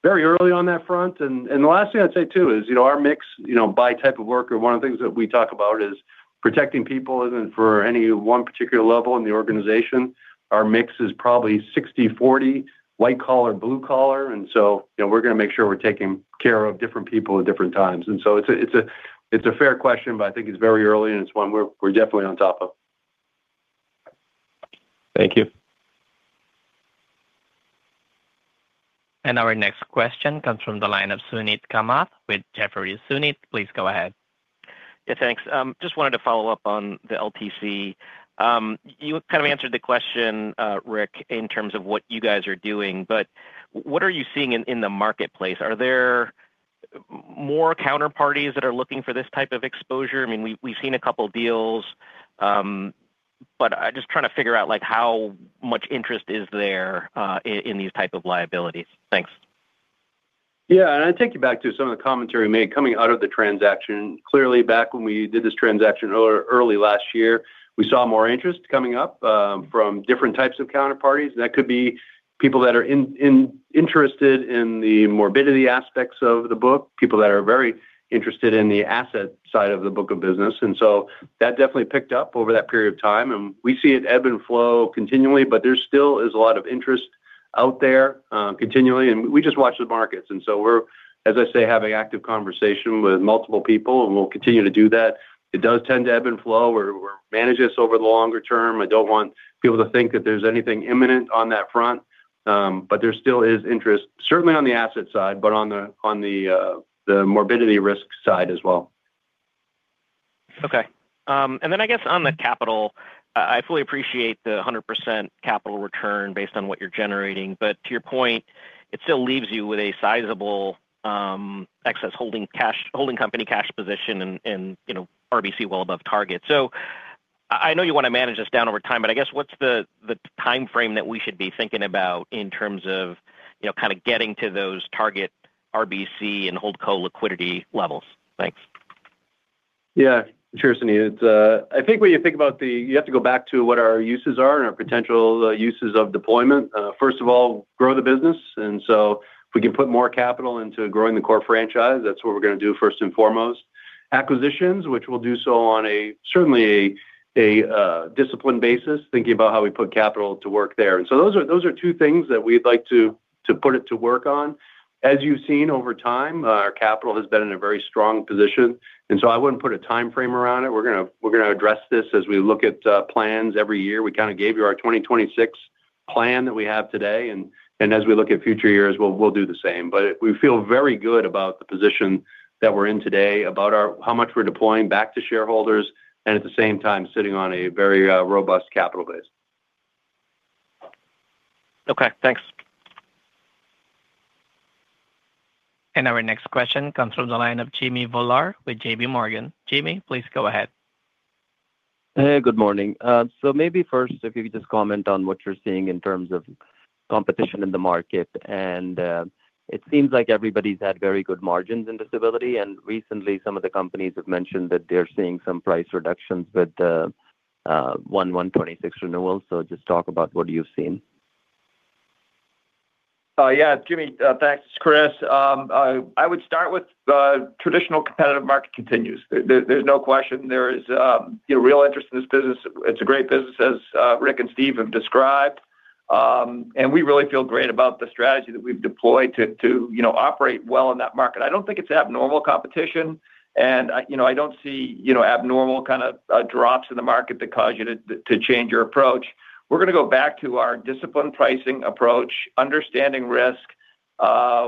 very early on that front. And the last thing I'd say, too, is, you know, our mix, you know, by type of worker, one of the things that we talk about is protecting people and for any one particular level in the organization, our mix is probably 60/40, white collar, blue collar. And so, you know, we're gonna make sure we're taking care of different people at different times. And so it's a fair question, but I think it's very early, and it's one we're definitely on top of. Thank you. Our next question comes from the line of Suneet Kamath with Jefferies. Suneet, please go ahead. Yeah, thanks. Just wanted to follow up on the LTC. You kind of answered the question, Rick, in terms of what you guys are doing, but what are you seeing in the marketplace? Are there more counterparties that are looking for this type of exposure? I mean, we've seen a couple deals, but I'm just trying to figure out, like, how much interest is there in these type of liabilities. Thanks. Yeah, and I take you back to some of the commentary made coming out of the transaction. Clearly, back when we did this transaction early last year, we saw more interest coming up from different types of counterparties. That could be people that are interested in the morbidity aspects of the book, people that are very interested in the asset side of the book of business. And so that definitely picked up over that period of time, and we see it ebb and flow continually, but there still is a lot of interest out there continually, and we just watch the markets. And so we're, as I say, having active conversation with multiple people, and we'll continue to do that. It does tend to ebb and flow or manage this over the longer term. I don't want people to think that there's anything imminent on that front, but there still is interest, certainly on the asset side, but on the morbidity risk side as well. Okay. And then I guess on the capital, I fully appreciate the 100% capital return based on what you're generating, but to your point, it still leaves you with a sizable excess holding cash, holding company cash position and, you know, RBC well above target. So I know you want to manage this down over time, but I guess what's the timeframe that we should be thinking about in terms of, you know, kind of getting to those target RBC and HoldCo liquidity levels? Thanks. Yeah, sure, Suneet. It's, I think you have to go back to what our uses are and our potential uses of deployment. First of all, grow the business, and so if we can put more capital into growing the core franchise, that's what we're gonna do first and foremost. Acquisitions, which we'll do so on a certainly disciplined basis, thinking about how we put capital to work there. And so those are, those are two things that we'd like to put it to work on. As you've seen over time, our capital has been in a very strong position, and so I wouldn't put a timeframe around it. We're gonna address this as we look at plans every year. We kind of gave you our 2026 plan that we have today, and as we look at future years, we'll do the same. But we feel very good about the position that we're in today, about our, how much we're deploying back to shareholders, and at the same time, sitting on a very robust capital base. Okay, thanks. Our next question comes from the line of Jimmy Bhullar with JPMorgan. Jimmy, please go ahead. Hey, good morning. So maybe first, if you could just comment on what you're seeing in terms of competition in the market. It seems like everybody's had very good margins in disability, and recently, some of the companies have mentioned that they're seeing some price reductions with the 1/1 2026 renewal. So just talk about what you've seen. Yeah, Jimmy, thanks, Chris. I would start with the traditional competitive market continues. There's no question there is, you know, real interest in this business. It's a great business, as Rick and Steve have described. And we really feel great about the strategy that we've deployed to, you know, operate well in that market. I don't think it's abnormal competition, and you know, I don't see, you know, abnormal kind of drops in the market that cause you to change your approach. We're gonna go back to our disciplined pricing approach, understanding risk.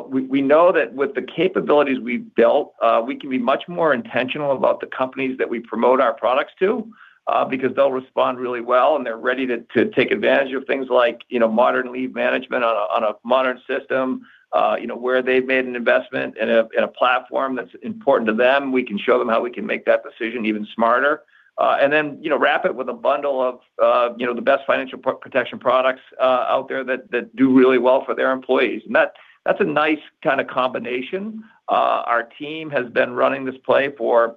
We know that with the capabilities we've built, we can be much more intentional about the companies that we promote our products to, because they'll respond really well, and they're ready to take advantage of things like, you know, modern leave management on a modern system, you know, where they've made an investment in a platform that's important to them. We can show them how we can make that decision even smarter. And then, you know, wrap it with a bundle of, you know, the best financial protection products out there that do really well for their employees. And that's a nice kind of combination. Our team has been running this play for,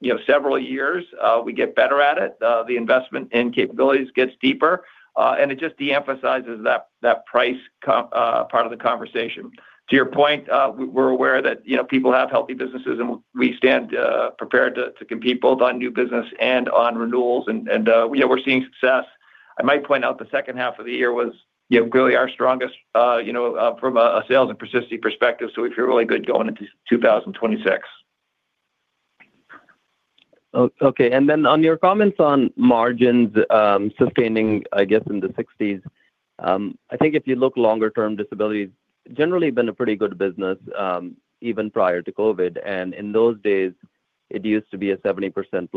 you know, several years. We get better at it. The investment in capabilities gets deeper, and it just de-emphasizes that price component part of the conversation. To your point, we're aware that, you know, people have healthy businesses, and we stand prepared to compete both on new business and on renewals, and we know we're seeing success. I might point out, the second half of the year was, you know, really our strongest from a sales and persistency perspective, so we feel really good going into 2026. Okay, and then on your comments on margins, sustaining, I guess, in the 60%s, I think if you look longer term, disability's generally been a pretty good business, even prior to COVID, and in those days, it used to be a 70%+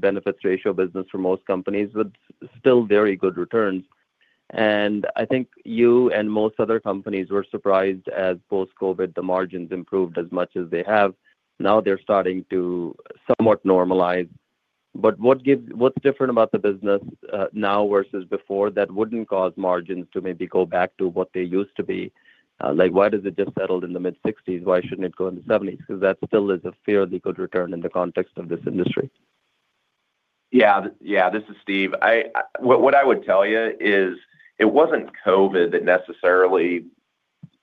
Benefit Ratio business for most companies, but still very good returns. And I think you and most other companies were surprised as post-COVID, the margins improved as much as they have. Now they're starting to somewhat normalize, but what gives? What's different about the business, now versus before, that wouldn't cause margins to maybe go back to what they used to be? Like, why does it just settled in the mid-60%s? Why shouldn't it go in the 70%s? 'Cause that still is a fairly good return in the context of this industry. Yeah. Yeah, this is Steve. What I would tell you is it wasn't COVID that necessarily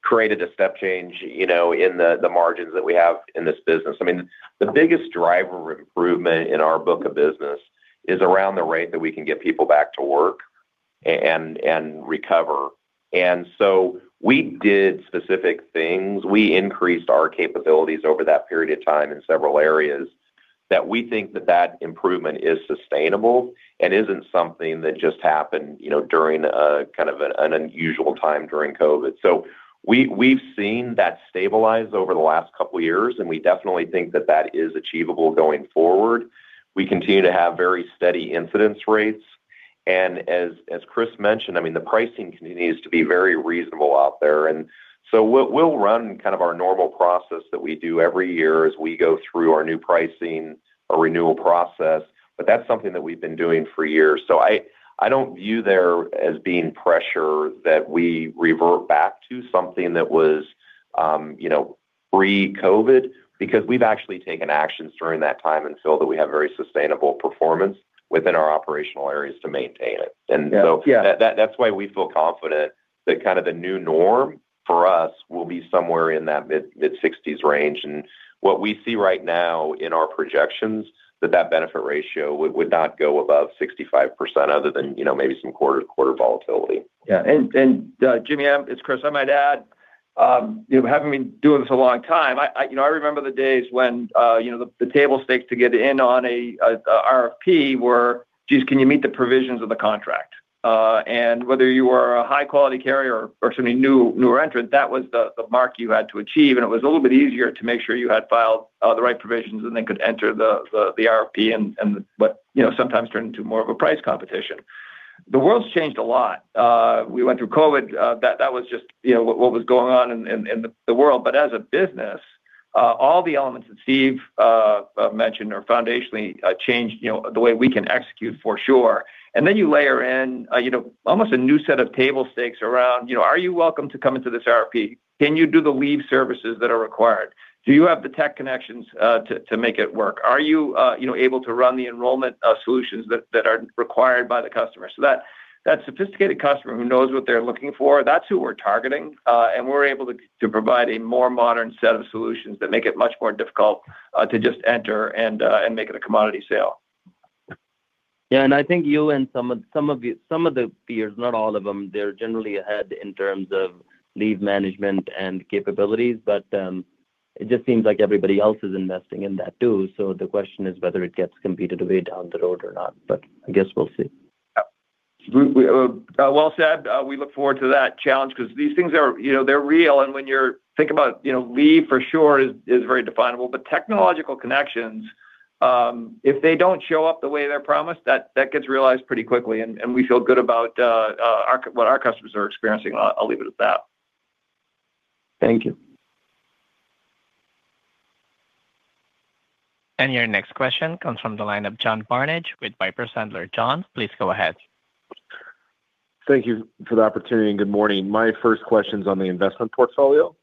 created a step change, you know, in the margins that we have in this business. I mean, the biggest driver of improvement in our book of business is around the rate that we can get people back to work and recover. And so we did specific things. We increased our capabilities over that period of time in several areas, that we think that improvement is sustainable and isn't something that just happened, you know, during a kind of an unusual time during COVID. So we, we've seen that stabilize over the last couple of years, and we definitely think that that is achievable going forward. We continue to have very steady incidence rates, and as Chris mentioned, I mean, the pricing continues to be very reasonable out there. And so we'll run kind of our normal process that we do every year as we go through our new pricing or renewal process, but that's something that we've been doing for years. So I don't view there as being pressure that we revert back to something that was, you know, pre-COVID, because we've actually taken actions during that time until that we have very sustainable performance within our operational areas to maintain it. Yeah. And so that's why we feel confident that kind of the new norm for us will be somewhere in that mid-60s range. And what we see right now in our projections, that Benefit Ratio would not go above 65% other than, you know, maybe some quarter-to-quarter volatility. Yeah, and Jimmy, it's Chris. I might add, you know, having been doing this a long time, you know, I remember the days when, you know, the table stakes to get in on a RFP were, "Geez, can you meet the provisions of the contract?" And whether you were a high-quality carrier or somebody new, newer entrant, that was the mark you had to achieve, and it was a little bit easier to make sure you had filed the right provisions and then could enter the RFP and, but, you know, sometimes turn into more of a price competition. The world's changed a lot. We went through COVID, that was just, you know, what was going on in the world. As a business, all the elements that Steve mentioned are foundationally changed, you know, the way we can execute for sure. Then you layer in, you know, almost a new set of table stakes around, you know, are you welcome to come into this RFP? Can you do the leave services that are required? Do you have the tech connections to make it work? Are you, you know, able to run the enrollment solutions that are required by the customer? So that sophisticated customer who knows what they're looking for, that's who we're targeting, and we're able to provide a more modern set of solutions that make it much more difficult to just enter and make it a commodity sale. Yeah, and I think you and some of the peers, not all of them, they're generally ahead in terms of leave management and capabilities, but it just seems like everybody else is investing in that too. So the question is whether it gets competed away down the road or not, but I guess we'll see. Yeah. Well said. We look forward to that challenge 'cause these things are, you know, they're real, and when you're thinking about you know, leave, for sure, is very definable, but technological connections, if they don't show up the way they're promised, that gets realized pretty quickly, and we feel good about our—what our customers are experiencing. I'll leave it at that. Thank you. Your next question comes from the line of John Barnidge with Piper Sandler. John, please go ahead. Thank you for the opportunity, and good morning. My first question's on the investment portfolio.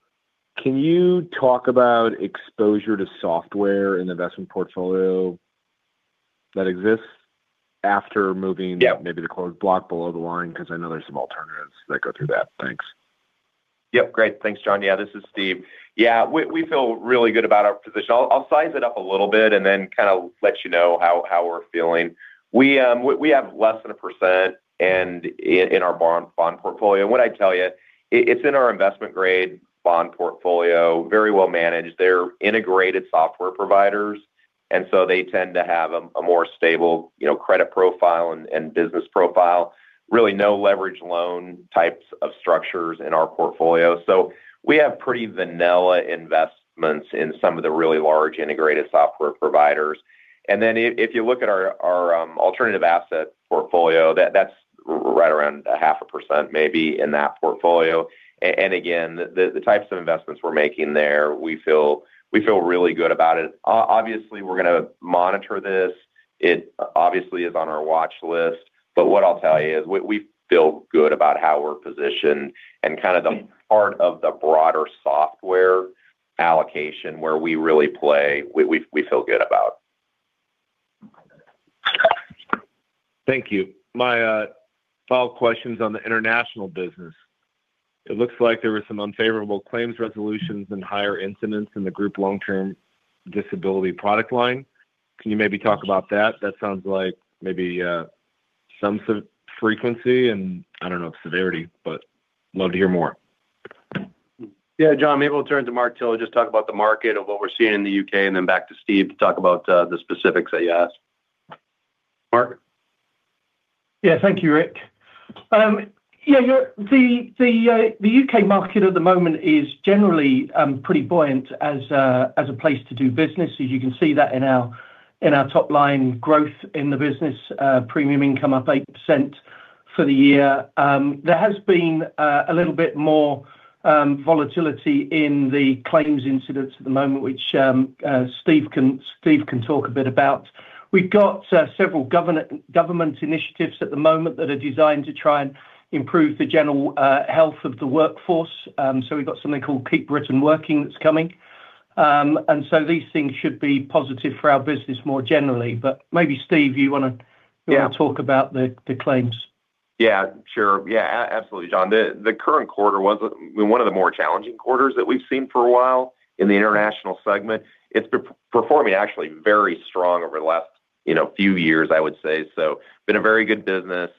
Can you talk about exposure to software in investment portfolio that exists after moving-? Yeah Maybe the Closed Block below the line? 'Cause I know there's some alternatives that go through that. Thanks. Yep, great. Thanks, John. Yeah, this is Steve. Yeah, we feel really good about our position. I'll size it up a little bit and then kind of let you know how we're feeling. We have less than 1% in our bond portfolio. What I'd tell you, it's in our investment-grade bond portfolio, very well managed. They're integrated software providers, and so they tend to have a more stable, you know, credit profile and business profile. Really, no leveraged loan types of structures in our portfolio. So we have pretty vanilla investments in some of the really large integrated software providers. And then if you look at our alternative asset portfolio, that's right around 0.5%, maybe in that portfolio. And again, the types of investments we're making there, we feel really good about it. Obviously, we're gonna monitor this. It obviously is on our watch list, but what I'll tell you is we feel good about how we're positioned and kind of the part of the broader software allocation where we really play, we feel good about. Thank you. My follow-up question's on the international business. It looks like there were some unfavorable claims resolutions and higher incidence in the Group Long-Term Disability product line. Can you maybe talk about that? That sounds like maybe some sort of frequency and, I don't know, severity, but love to hear more. Yeah, John, maybe we'll turn to Mark Till, just talk about the market of what we're seeing in the U.K., and then back to Steve to talk about the specifics that you asked. Mark? Yeah. Thank you, Rick. Yeah, the U.K. market at the moment is generally pretty buoyant as a place to do business, as you can see that in our top-line growth in the business, premium income up 8% for the year. There has been a little bit more volatility in the claims incidence at the moment, which Steve can talk a bit about. We've got several government initiatives at the moment that are designed to try and improve the general health of the workforce. So we've got something called Keep Britain Working that's coming. And so these things should be positive for our business more generally, but maybe, Steve, you want to- Yeah... talk about the claims. Yeah, sure. Yeah, absolutely, John. The current quarter was one of the more challenging quarters that we've seen for a while in the international segment. It's performing actually very strong over the last, you know, few years, I would say. So been a very good business,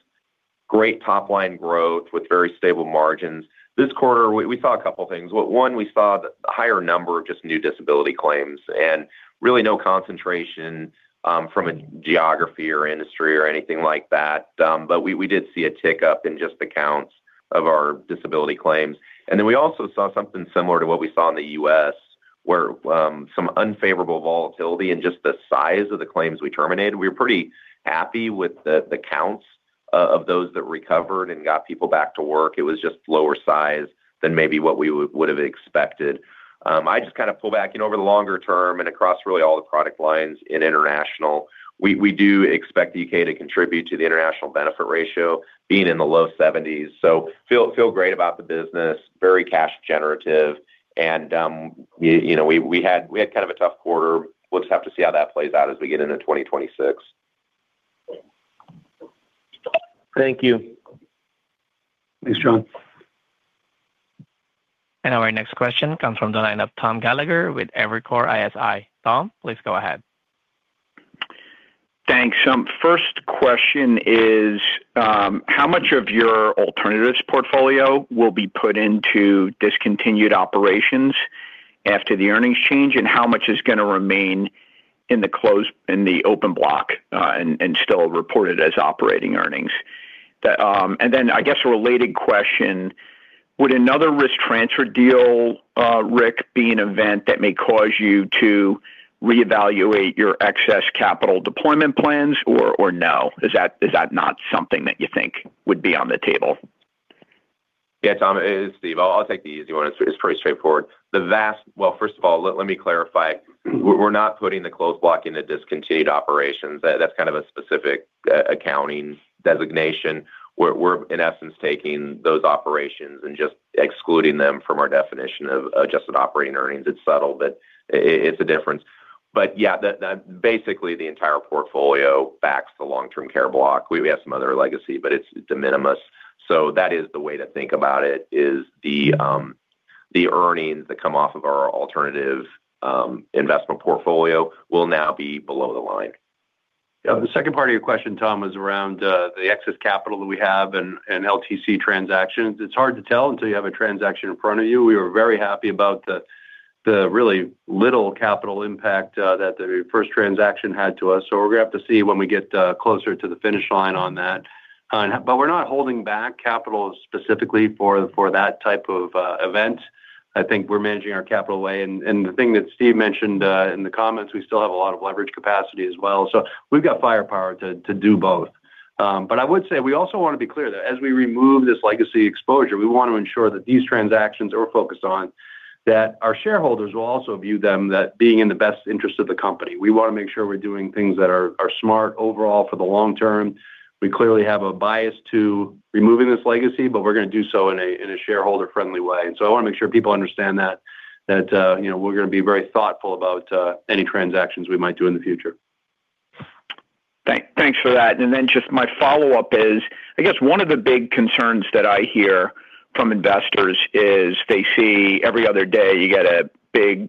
great top-line growth with very stable margins. This quarter, we saw a couple of things. Well, one, we saw the higher number of just new disability claims and really no concentration from a geography or industry or anything like that, but we did see a tick-up in just the counts of our disability claims. And then we also saw something similar to what we saw in the U.S., where some unfavorable volatility and just the size of the claims we terminated. We were pretty happy with the counts of those that recovered and got people back to work. It was just lower size than maybe what we would have expected. I just kind of pull back, you know, over the longer term and across really all the product lines in international, we do expect the U.K. to contribute to the international Benefit Ratio being in the low 70%s. So feel great about the business, very cash generative, and, you know, we had kind of a tough quarter. We'll just have to see how that plays out as we get into 2026. Thank you. Thanks, John. Our next question comes from the line of Tom Gallagher with Evercore ISI. Tom, please go ahead. Thanks. First question is, how much of your alternatives portfolio will be put into discontinued operations after the earnings change, and how much is gonna remain in the Closed Block, in the open block, and still reported as operating earnings? And then, I guess, a related question: Would another risk transfer deal, Rick, be an event that may cause you to reevaluate your excess capital deployment plans or no? Is that, is that not something that you think would be on the table? Yeah, Tom, it's Steve. I'll take the easy one. It's pretty straightforward. Well, first of all, let me clarify. We're not putting the Closed Block into discontinued operations. That's kind of a specific accounting designation. We're, in essence, taking those operations and just excluding them from our definition of operating earnings. It's subtle, but it's a difference. But, yeah, basically, the entire portfolio backs the long-term care block. We have some other legacy, but it's de minimis, so that is the way to think about it, is the earnings that come off of our alternative investment portfolio will now be below the line. Yeah, the second part of your question, Tom, was around the excess capital that we have and LTC transactions. It's hard to tell until you have a transaction in front of you. We were very happy about the really little capital impact that the first transaction had to us, so we're gonna have to see when we get closer to the finish line on that. But we're not holding back capital specifically for that type of event. I think we're managing our capital well, and the thing that Steve mentioned in the comments, we still have a lot of leverage capacity as well, so we've got firepower to do both. But I would say we also want to be clear that as we remove this legacy exposure, we want to ensure that these transactions are focused on that our shareholders will also view them that being in the best interest of the company. We want to make sure we're doing things that are smart overall for the long term. We clearly have a bias to removing this legacy, but we're gonna do so in a shareholder-friendly way. And so I want to make sure people understand that you know, we're gonna be very thoughtful about any transactions we might do in the future. Thanks for that. And then just my follow-up is I guess one of the big concerns that I hear from investors is they see every other day, you get a big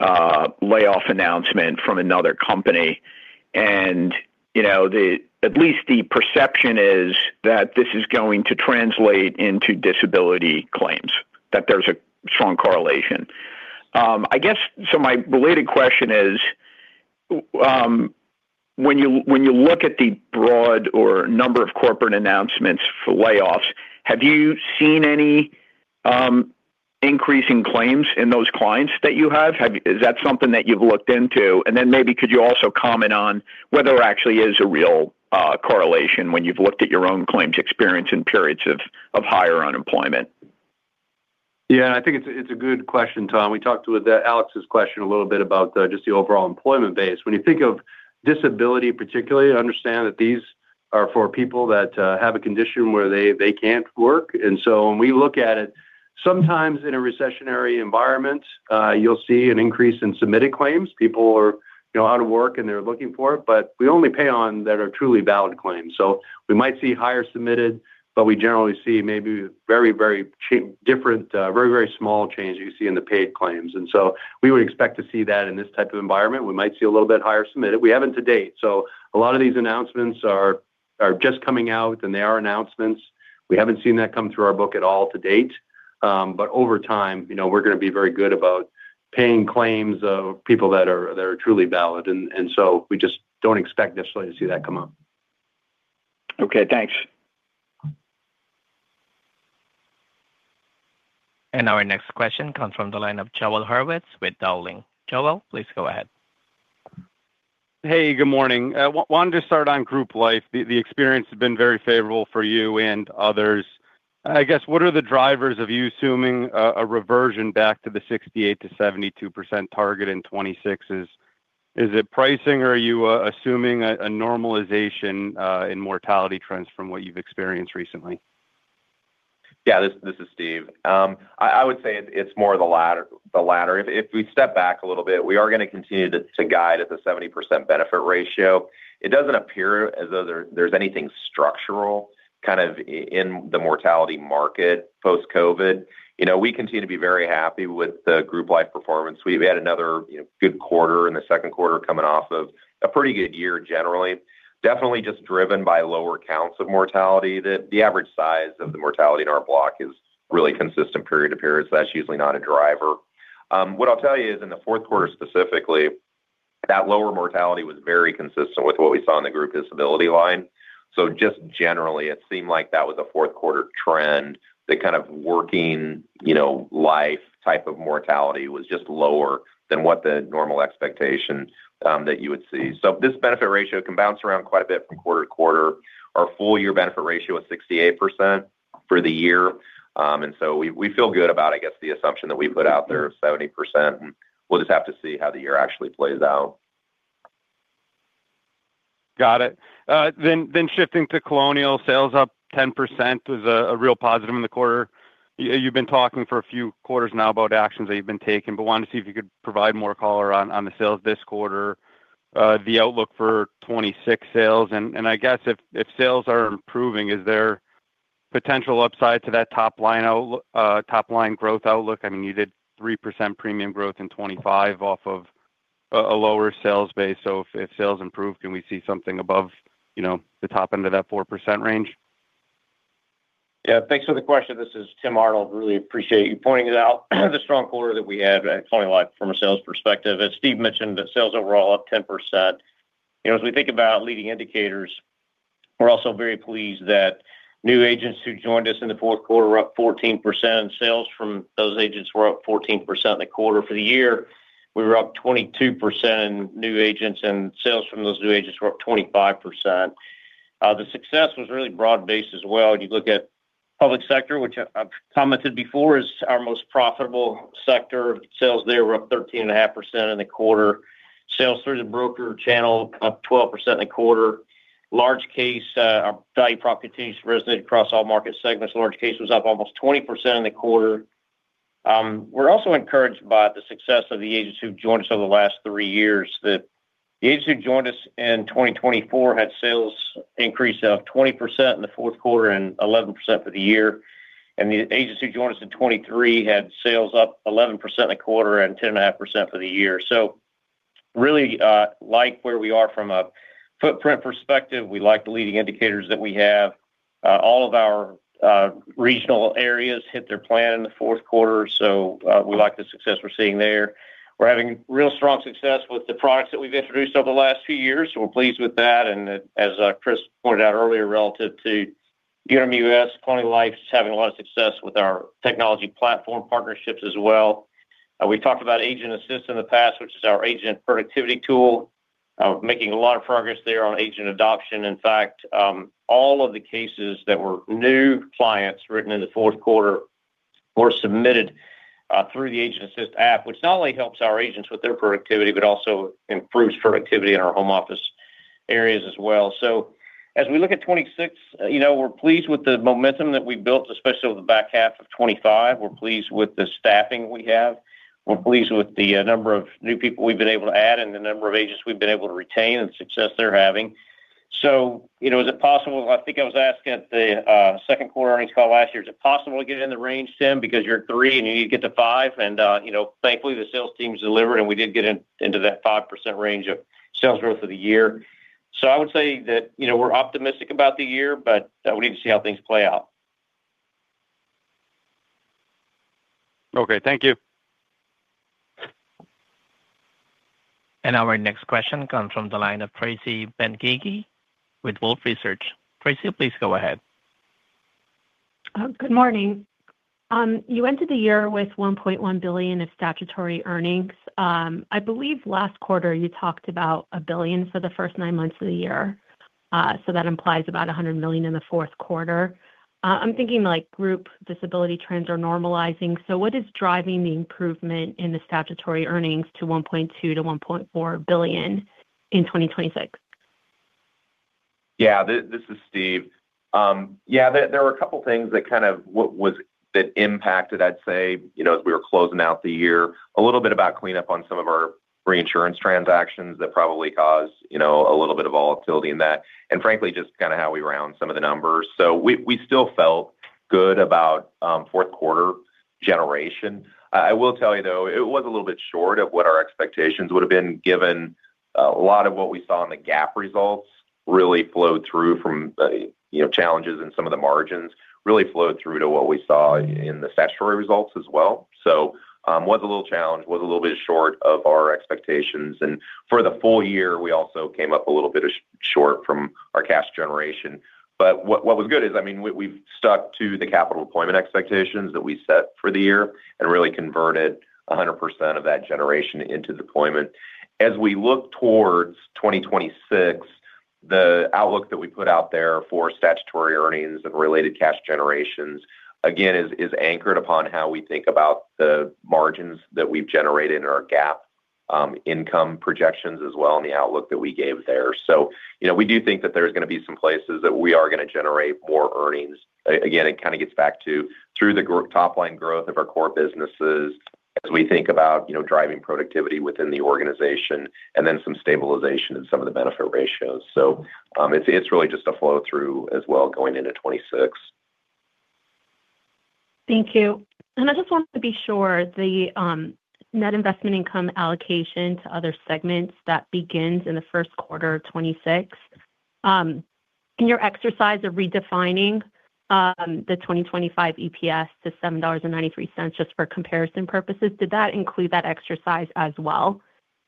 layoff announcement from another company. And, you know, the at least the perception is that this is going to translate into disability claims, that there's a strong correlation. I guess, so my related question is: when you, when you look at the broad or number of corporate announcements for layoffs, have you seen any increase in claims in those clients that you have? Have you? Is that something that you've looked into? And then maybe could you also comment on whether there actually is a real correlation when you've looked at your own claims experience in periods of higher unemployment? Yeah, I think it's a good question, Tom. We talked with Alex's question a little bit about just the overall employment base. When you think of disability, particularly, understand that these are for people that have a condition where they, they can't work, and so when we look at it, sometimes in a recessionary environment, you'll see an increase in submitted claims. People are, you know, out of work, and they're looking for it, but we only pay on that are truly valid claims. So we might see higher submitted, but we generally see maybe very, very different, very, very small changes you see in the paid claims. And so we would expect to see that in this type of environment. We might see a little bit higher submitted. We haven't to date, so a lot of these announcements are just coming out, and they are announcements. We haven't seen that come through our book at all to date. But over time, you know, we're going to be very good about paying claims of people that are truly valid. And so we just don't expect necessarily to see that come out. Okay, thanks. Our next question comes from the line of Joel Hurwitz with Dowling. Joel, please go ahead. Hey, good morning. Wanted to start on Group Life. The experience has been very favorable for you and others. I guess, what are the drivers of you assuming a reversion back to the 68%-72% target in 2026? Is it pricing, or are you assuming a normalization in mortality trends from what you've experienced recently? Yeah, this, this is Steve. I would say it's more the latter, the latter. If we step back a little bit, we are going to continue to guide at the 70% Benefit Ratio. It doesn't appear as though there's anything structural kind of in the mortality market, post-COVID. You know, we continue to be very happy with the Group Life performance. We've had another, you know, good quarter in the second quarter, coming off of a pretty good year, generally. Definitely just driven by lower counts of mortality, that the average size of the mortality in our block is really consistent period to period, so that's usually not a driver. What I'll tell you is in the fourth quarter, specifically, that lower mortality was very consistent with what we saw in the Group Disability line. So just generally, it seemed like that was a fourth quarter trend, the kind of working, you know, life type of mortality was just lower than what the normal expectation that you would see. So this Benefit Ratio can bounce around quite a bit from quarter-to-quarter. Our full year Benefit Ratio was 68% for the year, and so we, we feel good about, I guess, the assumption that we put out there of 70%, and we'll just have to see how the year actually plays out. Got it. Then shifting to Colonial, sales up 10% was a real positive in the quarter. You've been talking for a few quarters now about actions that you've been taking, but wanted to see if you could provide more color on the sales this quarter, the outlook for 2026 sales. And I guess if sales are improving, is there potential upside to that top line growth outlook? I mean, you did 3% premium growth in 2025 off of a lower sales base, so if sales improve, can we see something above, you know, the top end of that 4% range? Yeah, thanks for the question. This is Tim Arnold. Really appreciate you pointing it out, the strong quarter that we had at Colonial Life from a sales perspective. As Steve mentioned, the sales overall up 10%. You know, as we think about leading indicators, we're also very pleased that new agents who joined us in the fourth quarter were up 14%, and sales from those agents were up 14% in the quarter. For the year, we were up 22% in new agents, and sales from those new agents were up 25%. The success was really broad-based as well. You look at public sector, which I've commented before, is our most profitable sector. Sales there were up 13.5% in the quarter. Sales through the broker channel, up 12% in the quarter. Large case, our value prop continues to resonate across all market segments. Large case was up almost 20% in the quarter. We're also encouraged by the success of the agents who've joined us over the last three years, that the agents who joined us in 2024 had sales increase of 20% in the fourth quarter and 11% for the year. And the agents who joined us in 2023 had sales up 11% in a quarter and 10.5% for the year. So really, like where we are from a footprint perspective. We like the leading indicators that we have. All of our regional areas hit their plan in the fourth quarter, so we like the success we're seeing there. We're having real strong success with the products that we've introduced over the last few years, so we're pleased with that. And as Chris pointed out earlier, relative to Unum US, Colonial Life is having a lot of success with our technology platform partnerships as well. We talked about Agent Assist in the past, which is our agent productivity tool. Making a lot of progress there on agent adoption. In fact, all of the cases that were new clients written in the fourth quarter were submitted through the Agent Assist app, which not only helps our agents with their productivity, but also improves productivity in our home office areas as well. So as we look at 2026, you know, we're pleased with the momentum that we built, especially over the back half of 2025. We're pleased with the staffing we have. We're pleased with the number of new people we've been able to add and the number of agents we've been able to retain and the success they're having. So, you know, is it possible? I think I was asking at the second quarter earnings call last year, is it possible to get in the range, Tim, because you're at three, and you need to get to five? And, you know, thankfully, the sales team's delivered, and we did get in, into that 5% range of sales growth of the year. So I would say that, you know, we're optimistic about the year, but we need to see how things play out. Okay, thank you. Our next question comes from the line of Tracy Benguigui with Wolfe Research. Tracy, please go ahead. Good morning. You entered the year with $1.1 billion of statutory earnings. I believe last quarter you talked about $1 billion for the first nine months of the year, so that implies about $100 million in the fourth quarter. I'm thinking like Group Disability trends are normalizing, so what is driving the improvement in the statutory earnings to $1.2 billion-$1.4 billion in 2026? Yeah, this is Steve. Yeah, there were a couple of things that kind of that impacted, I'd say, you know, as we were closing out the year. A little bit about cleanup on some of our reinsurance transactions that probably caused, you know, a little bit of volatility in that, and frankly, just kind of how we round some of the numbers. So we still felt good about fourth quarter generation. I will tell you, though, it was a little bit short of what our expectations would have been, given a lot of what we saw in the GAAP results really flowed through from, you know, challenges in some of the margins, really flowed through to what we saw in the statutory results as well. So, was a little challenged, was a little bit short of our expectations, and for the full year, we also came up a little bit short of our cash generation. But what was good is, I mean, we've stuck to the capital deployment expectations that we set for the year and really converted 100% of that generation into deployment. As we look towards 2026, the outlook that we put out there for statutory earnings and related cash generations, again, is anchored upon how we think about the margins that we've generated in our GAAP income projections as well, and the outlook that we gave there. So, you know, we do think that there's going to be some places that we are going to generate more earnings. Again, it kind of gets back to the top-line growth of our core businesses as we think about, you know, driving productivity within the organization and then some stabilization in some of the Benefit Ratios. So, it's, it's really just a flow-through as well, going into 2026. Thank you. And I just want to be sure, the net investment income allocation to other segments that begins in the first quarter of 2026, in your exercise of redefining the 2025 EPS to $7.93 just for comparison purposes, did that include that exercise as well,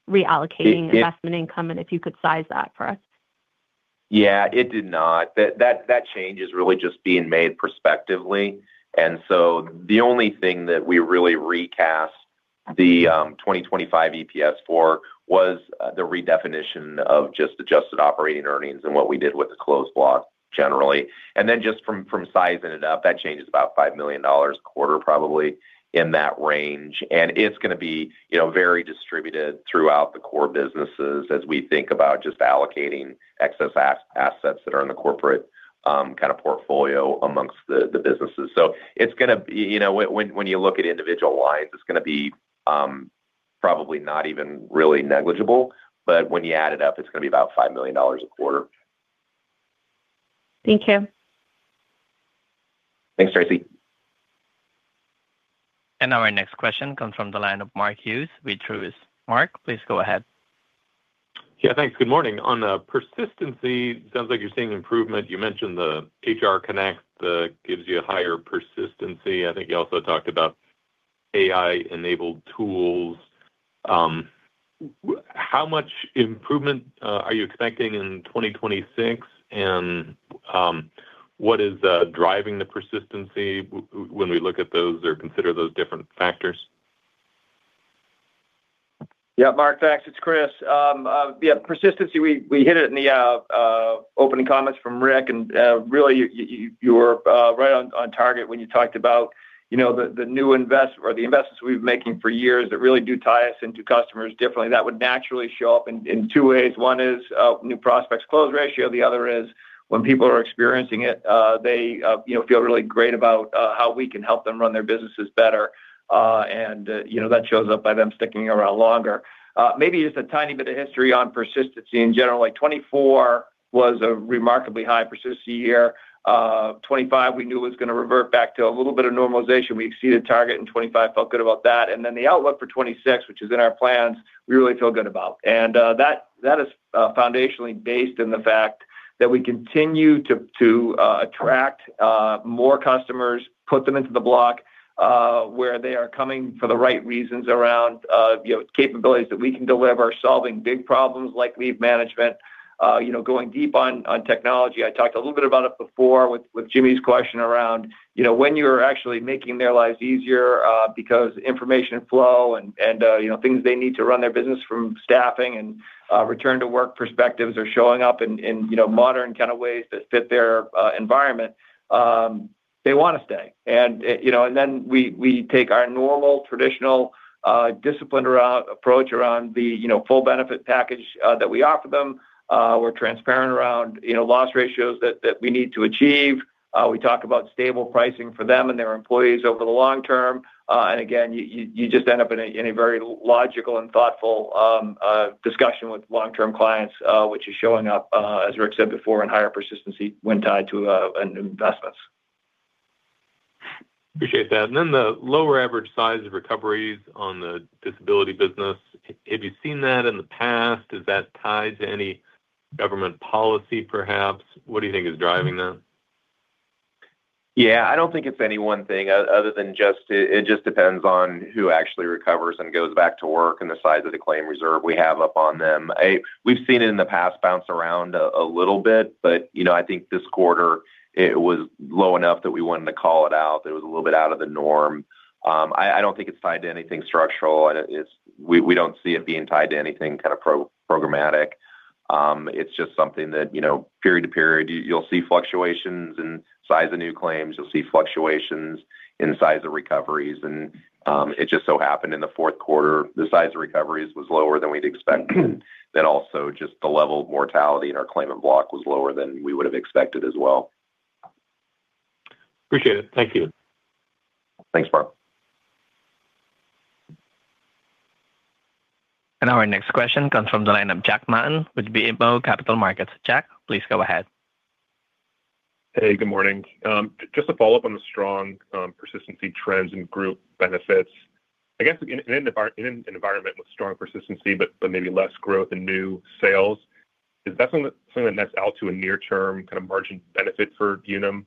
reallocating- It, it- -investment income, and if you could size that for us? Yeah, it did not. That change is really just being made prospectively, and so the only thing that we really recast the 2025 EPS for was the redefinition of just Adjusted Operating Earnings and what we did with the Closed Block generally. And then just from sizing it up, that change is about $5 million a quarter, probably in that range, and it's going to be, you know, very distributed throughout the core businesses as we think about just allocating excess assets that are in the corporate kind of portfolio amongst the businesses. You know, when you look at individual lines, it's going to be probably not even really negligible, but when you add it up, it's going to be about $5 million a quarter. Thank you. Thanks, Tracy. Our next question comes from the line of Mark Hughes with Truist. Mark, please go ahead. Yeah, thanks. Good morning. On persistency, sounds like you're seeing improvement. You mentioned the HR Connect gives you a higher persistency. I think you also talked about AI-enabled tools. How much improvement are you expecting in 2026? And what is driving the persistency when we look at those or consider those different factors? Yeah, Mark, thanks. It's Chris. Yeah, persistency, we hit it in the opening comments from Rick, and really, you were right on target when you talked about, you know, the new invest or the investments we've been making for years that really do tie us into customers differently. That would naturally show up in two ways. One is new prospects close ratio, the other is when people are experiencing it, they, you know, feel really great about how we can help them run their businesses better. And you know, that shows up by them sticking around longer. Maybe just a tiny bit of history on persistency in general, like 2024 was a remarkably high persistency year. 2025, we knew was going to revert back to a little bit of normalization. We exceeded target in 2025, felt good about that. And then the outlook for 2026, which is in our plans, we really feel good about. And, that, that is, foundationally based on the fact that we continue to, attract, more customers, put them into the block, where they are coming for the right reasons around, you know, capabilities that we can deliver are solving big problems like leave management, you know, going deep on, on technology. I talked a little bit about it before with Jimmy's question around, you know, when you're actually making their lives easier, because information flow and, you know, things they need to run their business from staffing and return to work perspectives are showing up in, you know, modern kind of ways that fit their environment, they want to stay. And, you know, and then we take our normal, traditional, disciplined approach around the, you know, full benefit package that we offer them. We're transparent around, you know, loss ratios that we need to achieve. We talk about stable pricing for them and their employees over the long term. And again, you just end up in a very logical and thoughtful discussion with long-term clients, which is showing up, as Rick said before, in higher persistency when tied to new investments. Appreciate that. The lower average size of recoveries on the disability business, have you seen that in the past? Is that tied to any government policy, perhaps? What do you think is driving that? Yeah, I don't think it's any one thing other than just, it just depends on who actually recovers and goes back to work, and the size of the claim reserve we have up on them. We've seen it in the past bounce around a little bit, but you know, I think this quarter it was low enough that we wanted to call it out, that it was a little bit out of the norm. I don't think it's tied to anything structural. And it's we don't see it being tied to anything kind of programmatic. It's just something that you know, period to period, you'll see fluctuations in size of new claims. You'll see fluctuations in the size of recoveries, and it just so happened in the fourth quarter, the size of recoveries was lower than we'd expect. Then also, just the level of mortality in our claimant block was lower than we would have expected as well. Appreciate it. Thank you. Thanks, Mark. Our next question comes from the line of Jack Matten, with BMO Capital Markets. Jack, please go ahead. Hey, good morning. Just to follow up on the strong persistency trends in Group Benefits. I guess in an environment with strong persistency, but maybe less growth in new sales, is that something that nets out to a near-term kind of margin benefit for Unum?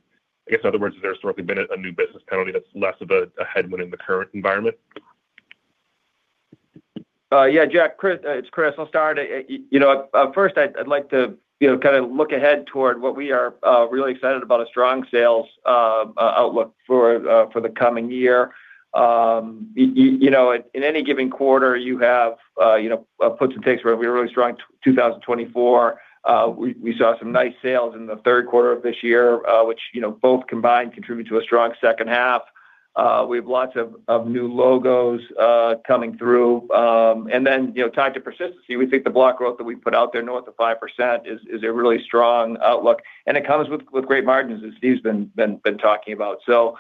I guess, in other words, has there historically been a new business penalty that's less of a headwind in the current environment? Yeah, Jack, Chris, it's Chris. I'll start. You know, first, I'd like to, you know, kind of look ahead toward what we are really excited about a strong sales outlook for the coming year. You know, in any given quarter, you have you know, puts and takes, right? We were really strong in 2024. We saw some nice sales in the third quarter of this year, which, you know, both combined contribute to a strong second half. We have lots of new logos coming through. And then, you know, tied to persistency, we think the block growth that we put out there, north of 5%, is a really strong outlook, and it comes with great margins, as Steve's been talking about. So,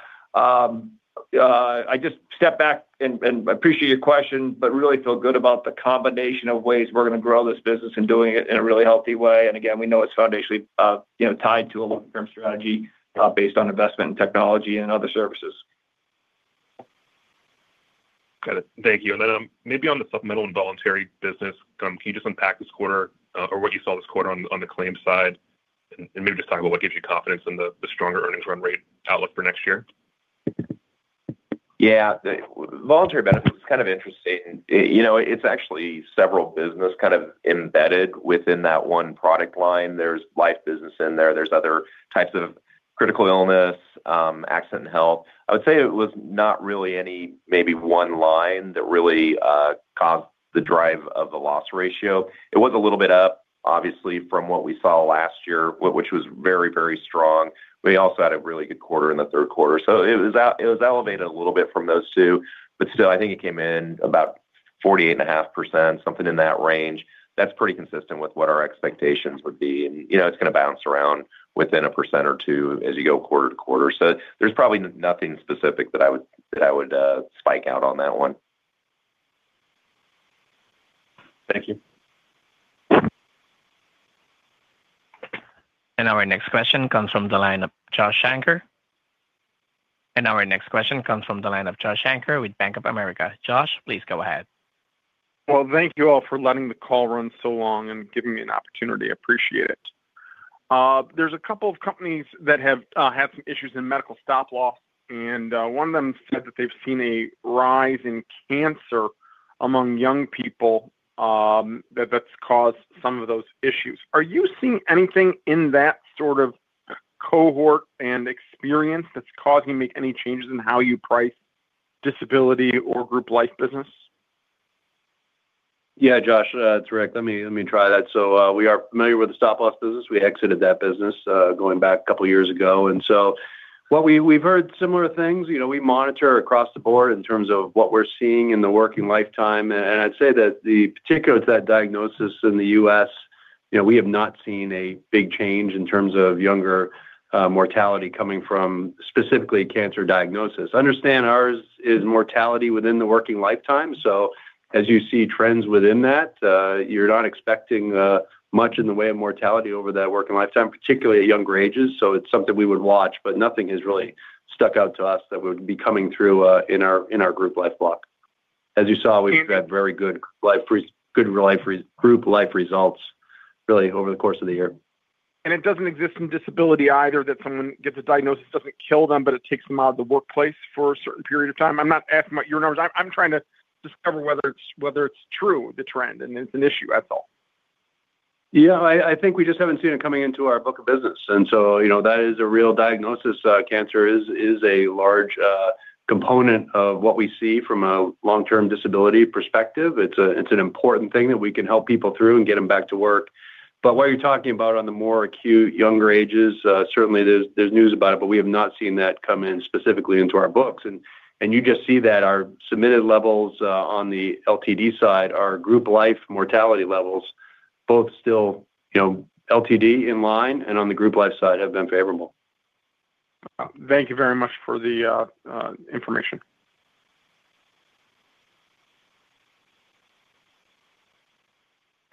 I just step back and appreciate your question, but really feel good about the combination of ways we're going to grow this business and doing it in a really healthy way. And again, we know it's foundationally, you know, tied to a long-term strategy, based on investment in technology and other services. Got it. Thank you. And then, maybe on the Supplemental and Voluntary business, can you just unpack this quarter, or what you saw this quarter on, on the claims side, and, and maybe just talk about what gives you confidence in the, the stronger earnings run rate outlook for next year? Yeah. The voluntary benefits is kind of interesting. You know, it's actually several business kind of embedded within that one product line. There's life business in there. There's other types of critical illness, accident, health. I would say it was not really any, maybe one line that really caused the drive of the loss ratio. It was a little bit up, obviously, from what we saw last year, which was very, very strong. We also had a really good quarter in the third quarter, so it was elevated a little bit from those two, but still, I think it came in about 48.5%, something in that range. That's pretty consistent with what our expectations would be, and, you know, it's going to bounce around within 1% or 2% as you go quarter-to-quarter. So there's probably nothing specific that I would, that I would, spike out on that one. Thank you. And our next question comes from the line of Josh Shanker with Bank of America. Josh, please go ahead. Well, thank you all for letting the call run so long and giving me an opportunity. I appreciate it. There's a couple of companies that have had some issues in medical stop loss, and one of them said that they've seen a rise in cancer among young people, that that's caused some of those issues. Are you seeing anything in that sort of cohort and experience that's causing you to make any changes in how you price disability or Group Life business? Yeah, Josh, it's Rick. Let me, let me try that. So, we are familiar with the stop loss business. We exited that business, going back a couple of years ago, and so what we've heard similar things. You know, we monitor across the board in terms of what we're seeing in the working lifetime, and I'd say that the particular to that diagnosis in the U.S., you know, we have not seen a big change in terms of younger, mortality coming from specifically cancer diagnosis. Understand, ours is mortality within the working lifetime, so as you see trends within that, you're not expecting, much in the way of mortality over that working lifetime, particularly at younger ages. So it's something we would watch, but nothing has really stuck out to us that would be coming through in our Group Life block. As you saw, we've had very good Group Life results really over the course of the year. It doesn't exist in disability either, that someone gets a diagnosis, doesn't kill them, but it takes them out of the workplace for a certain period of time? I'm not asking about your numbers. I'm, I'm trying to discover whether it's, whether it's true, the trend, and it's an issue at all. Yeah, I think we just haven't seen it coming into our book of business, and so, you know, that is a real diagnosis. Cancer is a large component of what we see from a long-term disability perspective. It's an important thing that we can help people through and get them back to work. But what you're talking about on the more acute, younger ages, certainly there's news about it, but we have not seen that come in specifically into our books. And you just see that our submitted levels on the LTD side, our Group Life mortality levels, both still, you know, LTD in line, and on the Group Life side, have been favorable. Thank you very much for the information.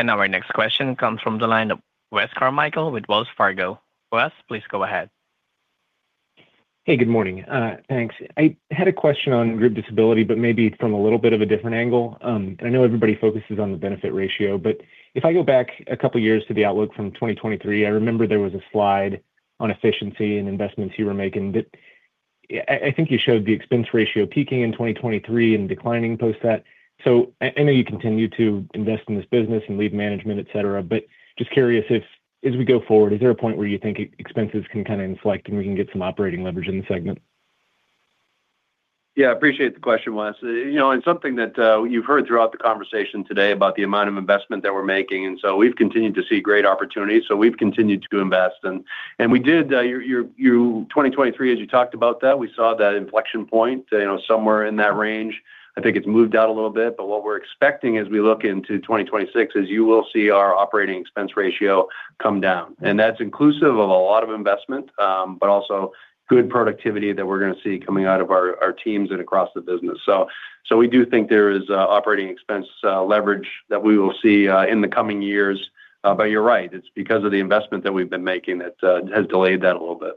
And now our next question comes from the line of Wes Carmichael with Wells Fargo. Wes, please go ahead. Hey, good morning. Thanks. I had a question on Group Disability, but maybe from a little bit of a different angle. I know everybody focuses on the Benefit Ratio, but if I go back a couple of years to the outlook from 2023, I remember there was a slide on efficiency and investments you were making that, I, I think you showed the expense ratio peaking in 2023 and declining post that. So I, I know you continue to invest in this business and leave management, et cetera, but just curious if as we go forward, is there a point where you think expenses can kind of inflect, and we can get some operating leverage in the segment? Yeah, I appreciate the question, Wes. You know, and something that you've heard throughout the conversation today about the amount of investment that we're making, and so we've continued to see great opportunities. So we've continued to invest. And we did your 2023, as you talked about that, we saw that inflection point, you know, somewhere in that range. I think it's moved out a little bit, but what we're expecting as we look into 2026 is you will see our operating expense ratio come down, and that's inclusive of a lot of investment, but also good productivity that we're going to see coming out of our teams and across the business. So we do think there is operating expense leverage that we will see in the coming years. But you're right, it's because of the investment that we've been making that has delayed that a little bit.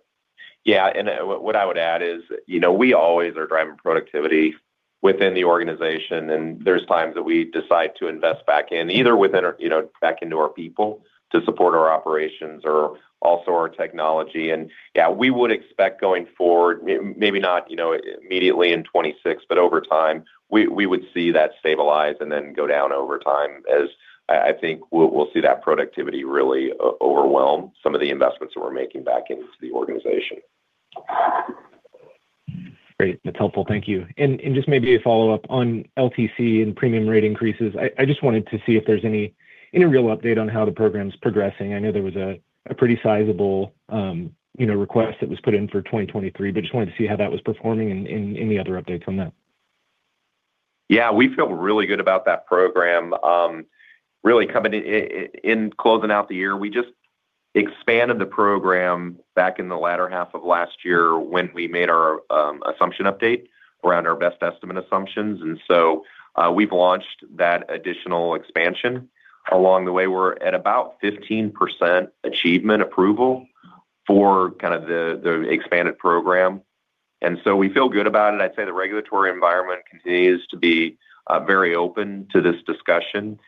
Yeah, and what I would add is, you know, we always are driving productivity within the organization, and there's times that we decide to invest back in, either within our, you know, back into our people to support our operations or also our technology. And yeah, we would expect going forward, maybe not, you know, immediately in 2026, but over time, we would see that stabilize and then go down over time as I think we'll see that productivity really overwhelm some of the investments that we're making back into the organization. Great. That's helpful. Thank you. And just maybe a follow-up on LTC and premium rate increases. I just wanted to see if there's any real update on how the program is progressing. I know there was a pretty sizable, you know, request that was put in for 2023, but just wanted to see how that was performing and any other updates on that. Yeah, we feel really good about that program. Really coming in, in closing out the year, we just expanded the program back in the latter half of last year when we made our, assumption update around our best estimate assumptions. And so, we've launched that additional expansion. Along the way, we're at about 15% achievement approval for kind of the, the expanded program, and so we feel good about it. I'd say the regulatory environment continues to be, very open to this discussion.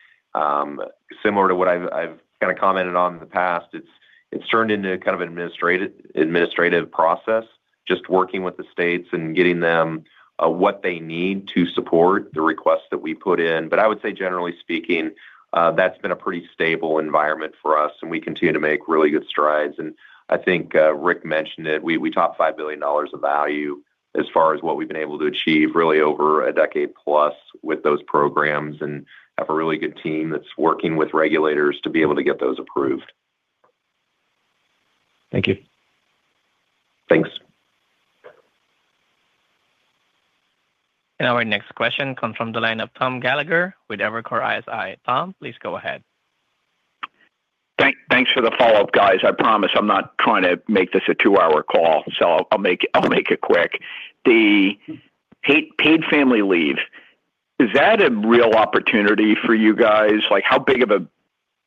Similar to what I've, I've kind of commented on in the past, it's, it's turned into kind of an administrative, administrative process, just working with the states and getting them, what they need to support the requests that we put in. But I would say, generally speaking, that's been a pretty stable environment for us, and we continue to make really good strides, and I think, Rick mentioned it. We, we topped $5 billion of value as far as what we've been able to achieve really over a decade plus with those programs and have a really good team that's working with regulators to be able to get those approved. Thank you. Thanks. Our next question comes from the line of Tom Gallagher with Evercore ISI. Tom, please go ahead. Thanks for the follow-up, guys. I promise I'm not trying to make this a two-hour call, so I'll make it quick. The paid family leave, is that a real opportunity for you guys? Like, how big of a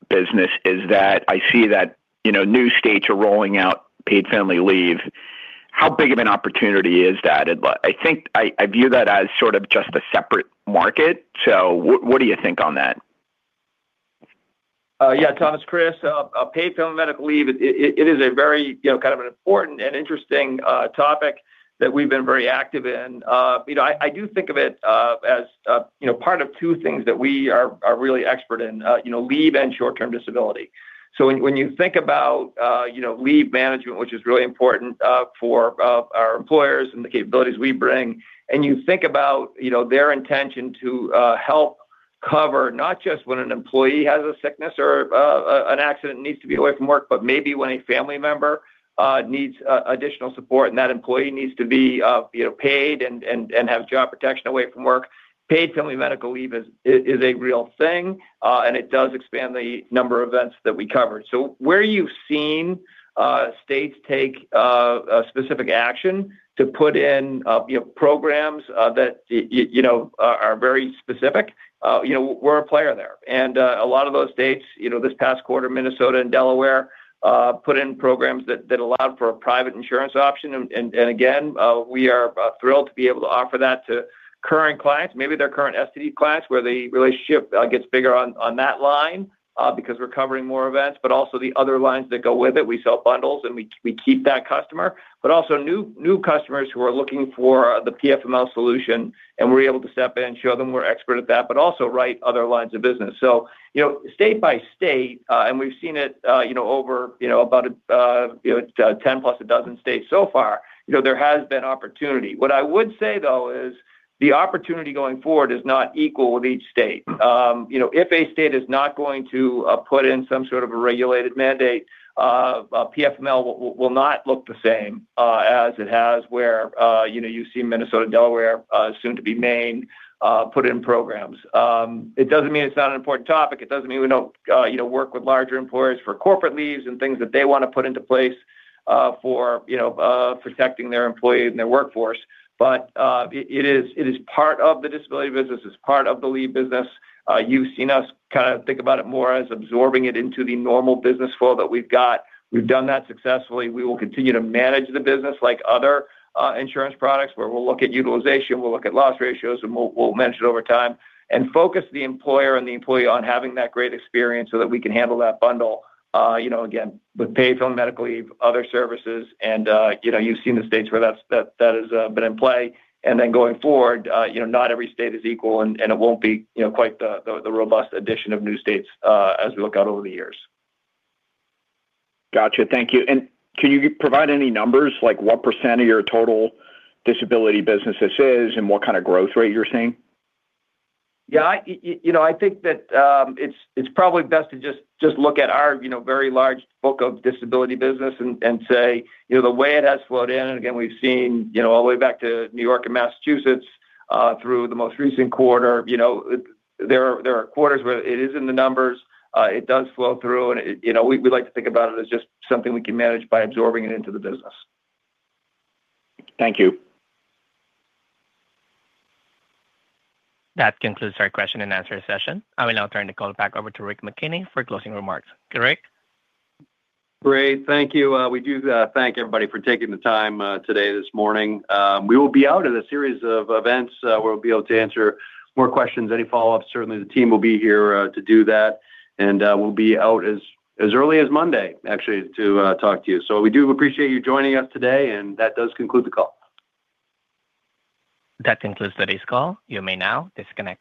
business is that? I see that, you know, new states are rolling out paid family leave. How big of an opportunity is that? I think I view that as sort of just a separate market. So what do you think on that? Yeah, Thomas, Chris, paid family medical leave, it is a very, you know, kind of an important and interesting topic that we've been very active in. You know, I do think of it as, you know, part of two things that we are really expert in, you know, leave and short-term disability. So when you think about, you know, leave management, which is really important for our employers and the capabilities we bring, and you think about, you know, their intention to help cover, not just when an employee has a sickness or an accident, needs to be away from work, but maybe when a family member needs additional support and that employee needs to be, you know, paid and have job protection away from work. Paid family medical leave is a real thing, and it does expand the number of events that we cover. So where you've seen states take a specific action to put in, you know, programs that you know are very specific, you know, we're a player there. And a lot of those states, you know, this past quarter, Minnesota and Delaware put in programs that allowed for a private insurance option. And again, we are thrilled to be able to offer that to current clients, maybe their current STD clients, where the relationship gets bigger on that line because we're covering more events, but also the other lines that go with it. We sell bundles, and we keep that customer, but also new customers who are looking for the PFML solution, and we're able to step in and show them we're expert at that, but also write other lines of business. So, you know, state-by-state, and we've seen it, you know, over, you know, about, you know, 10+ a dozen states so far, you know, there has been opportunity. What I would say, though, is the opportunity going forward is not equal with each state. You know, if a state is not going to put in some sort of a regulated mandate, PFML will not look the same as it has where, you know, you see Minnesota, Delaware, soon to be Maine, put in programs. It doesn't mean it's not an important topic. It doesn't mean we don't, you know, work with larger employers for corporate leaves and things that they want to put into place, for, you know, protecting their employees and their workforce. But, it is, it is part of the disability business, it's part of the leave business. You've seen us kind of think about it more as absorbing it into the normal business flow that we've got. We've done that successfully. We will continue to manage the business like other insurance products, where we'll look at utilization, we'll look at loss ratios, and we'll manage it over time, and focus the employer and the employee on having that great experience so that we can handle that bundle, you know, again, with paid family medical leave, other services, and, you know, you've seen the states where that has been in play. Then going forward, you know, not every state is equal, and it won't be, you know, quite the robust addition of new states, as we look out over the years. Gotcha. Thank you. Can you provide any numbers, like what percent of your total disability business this is and what kind of growth rate you're seeing? Yeah, you know, I think that it's probably best to just look at our very large book of disability business and say, you know, the way it has flowed in, and again, we've seen, you know, all the way back to New York and Massachusetts through the most recent quarter, you know, there are quarters where it is in the numbers, it does flow through, and it, you know, we like to think about it as just something we can manage by absorbing it into the business. Thank you. That concludes our question and answer session. I will now turn the call back over to Rick McKenney for closing remarks. Rick? Great, thank you. We do thank everybody for taking the time today, this morning. We will be out at a series of events where we'll be able to answer more questions, any follow-ups. Certainly, the team will be here to do that, and we'll be out as, as early as Monday, actually, to talk to you. So we do appreciate you joining us today, and that does conclude the call. That concludes today's call. You may now disconnect.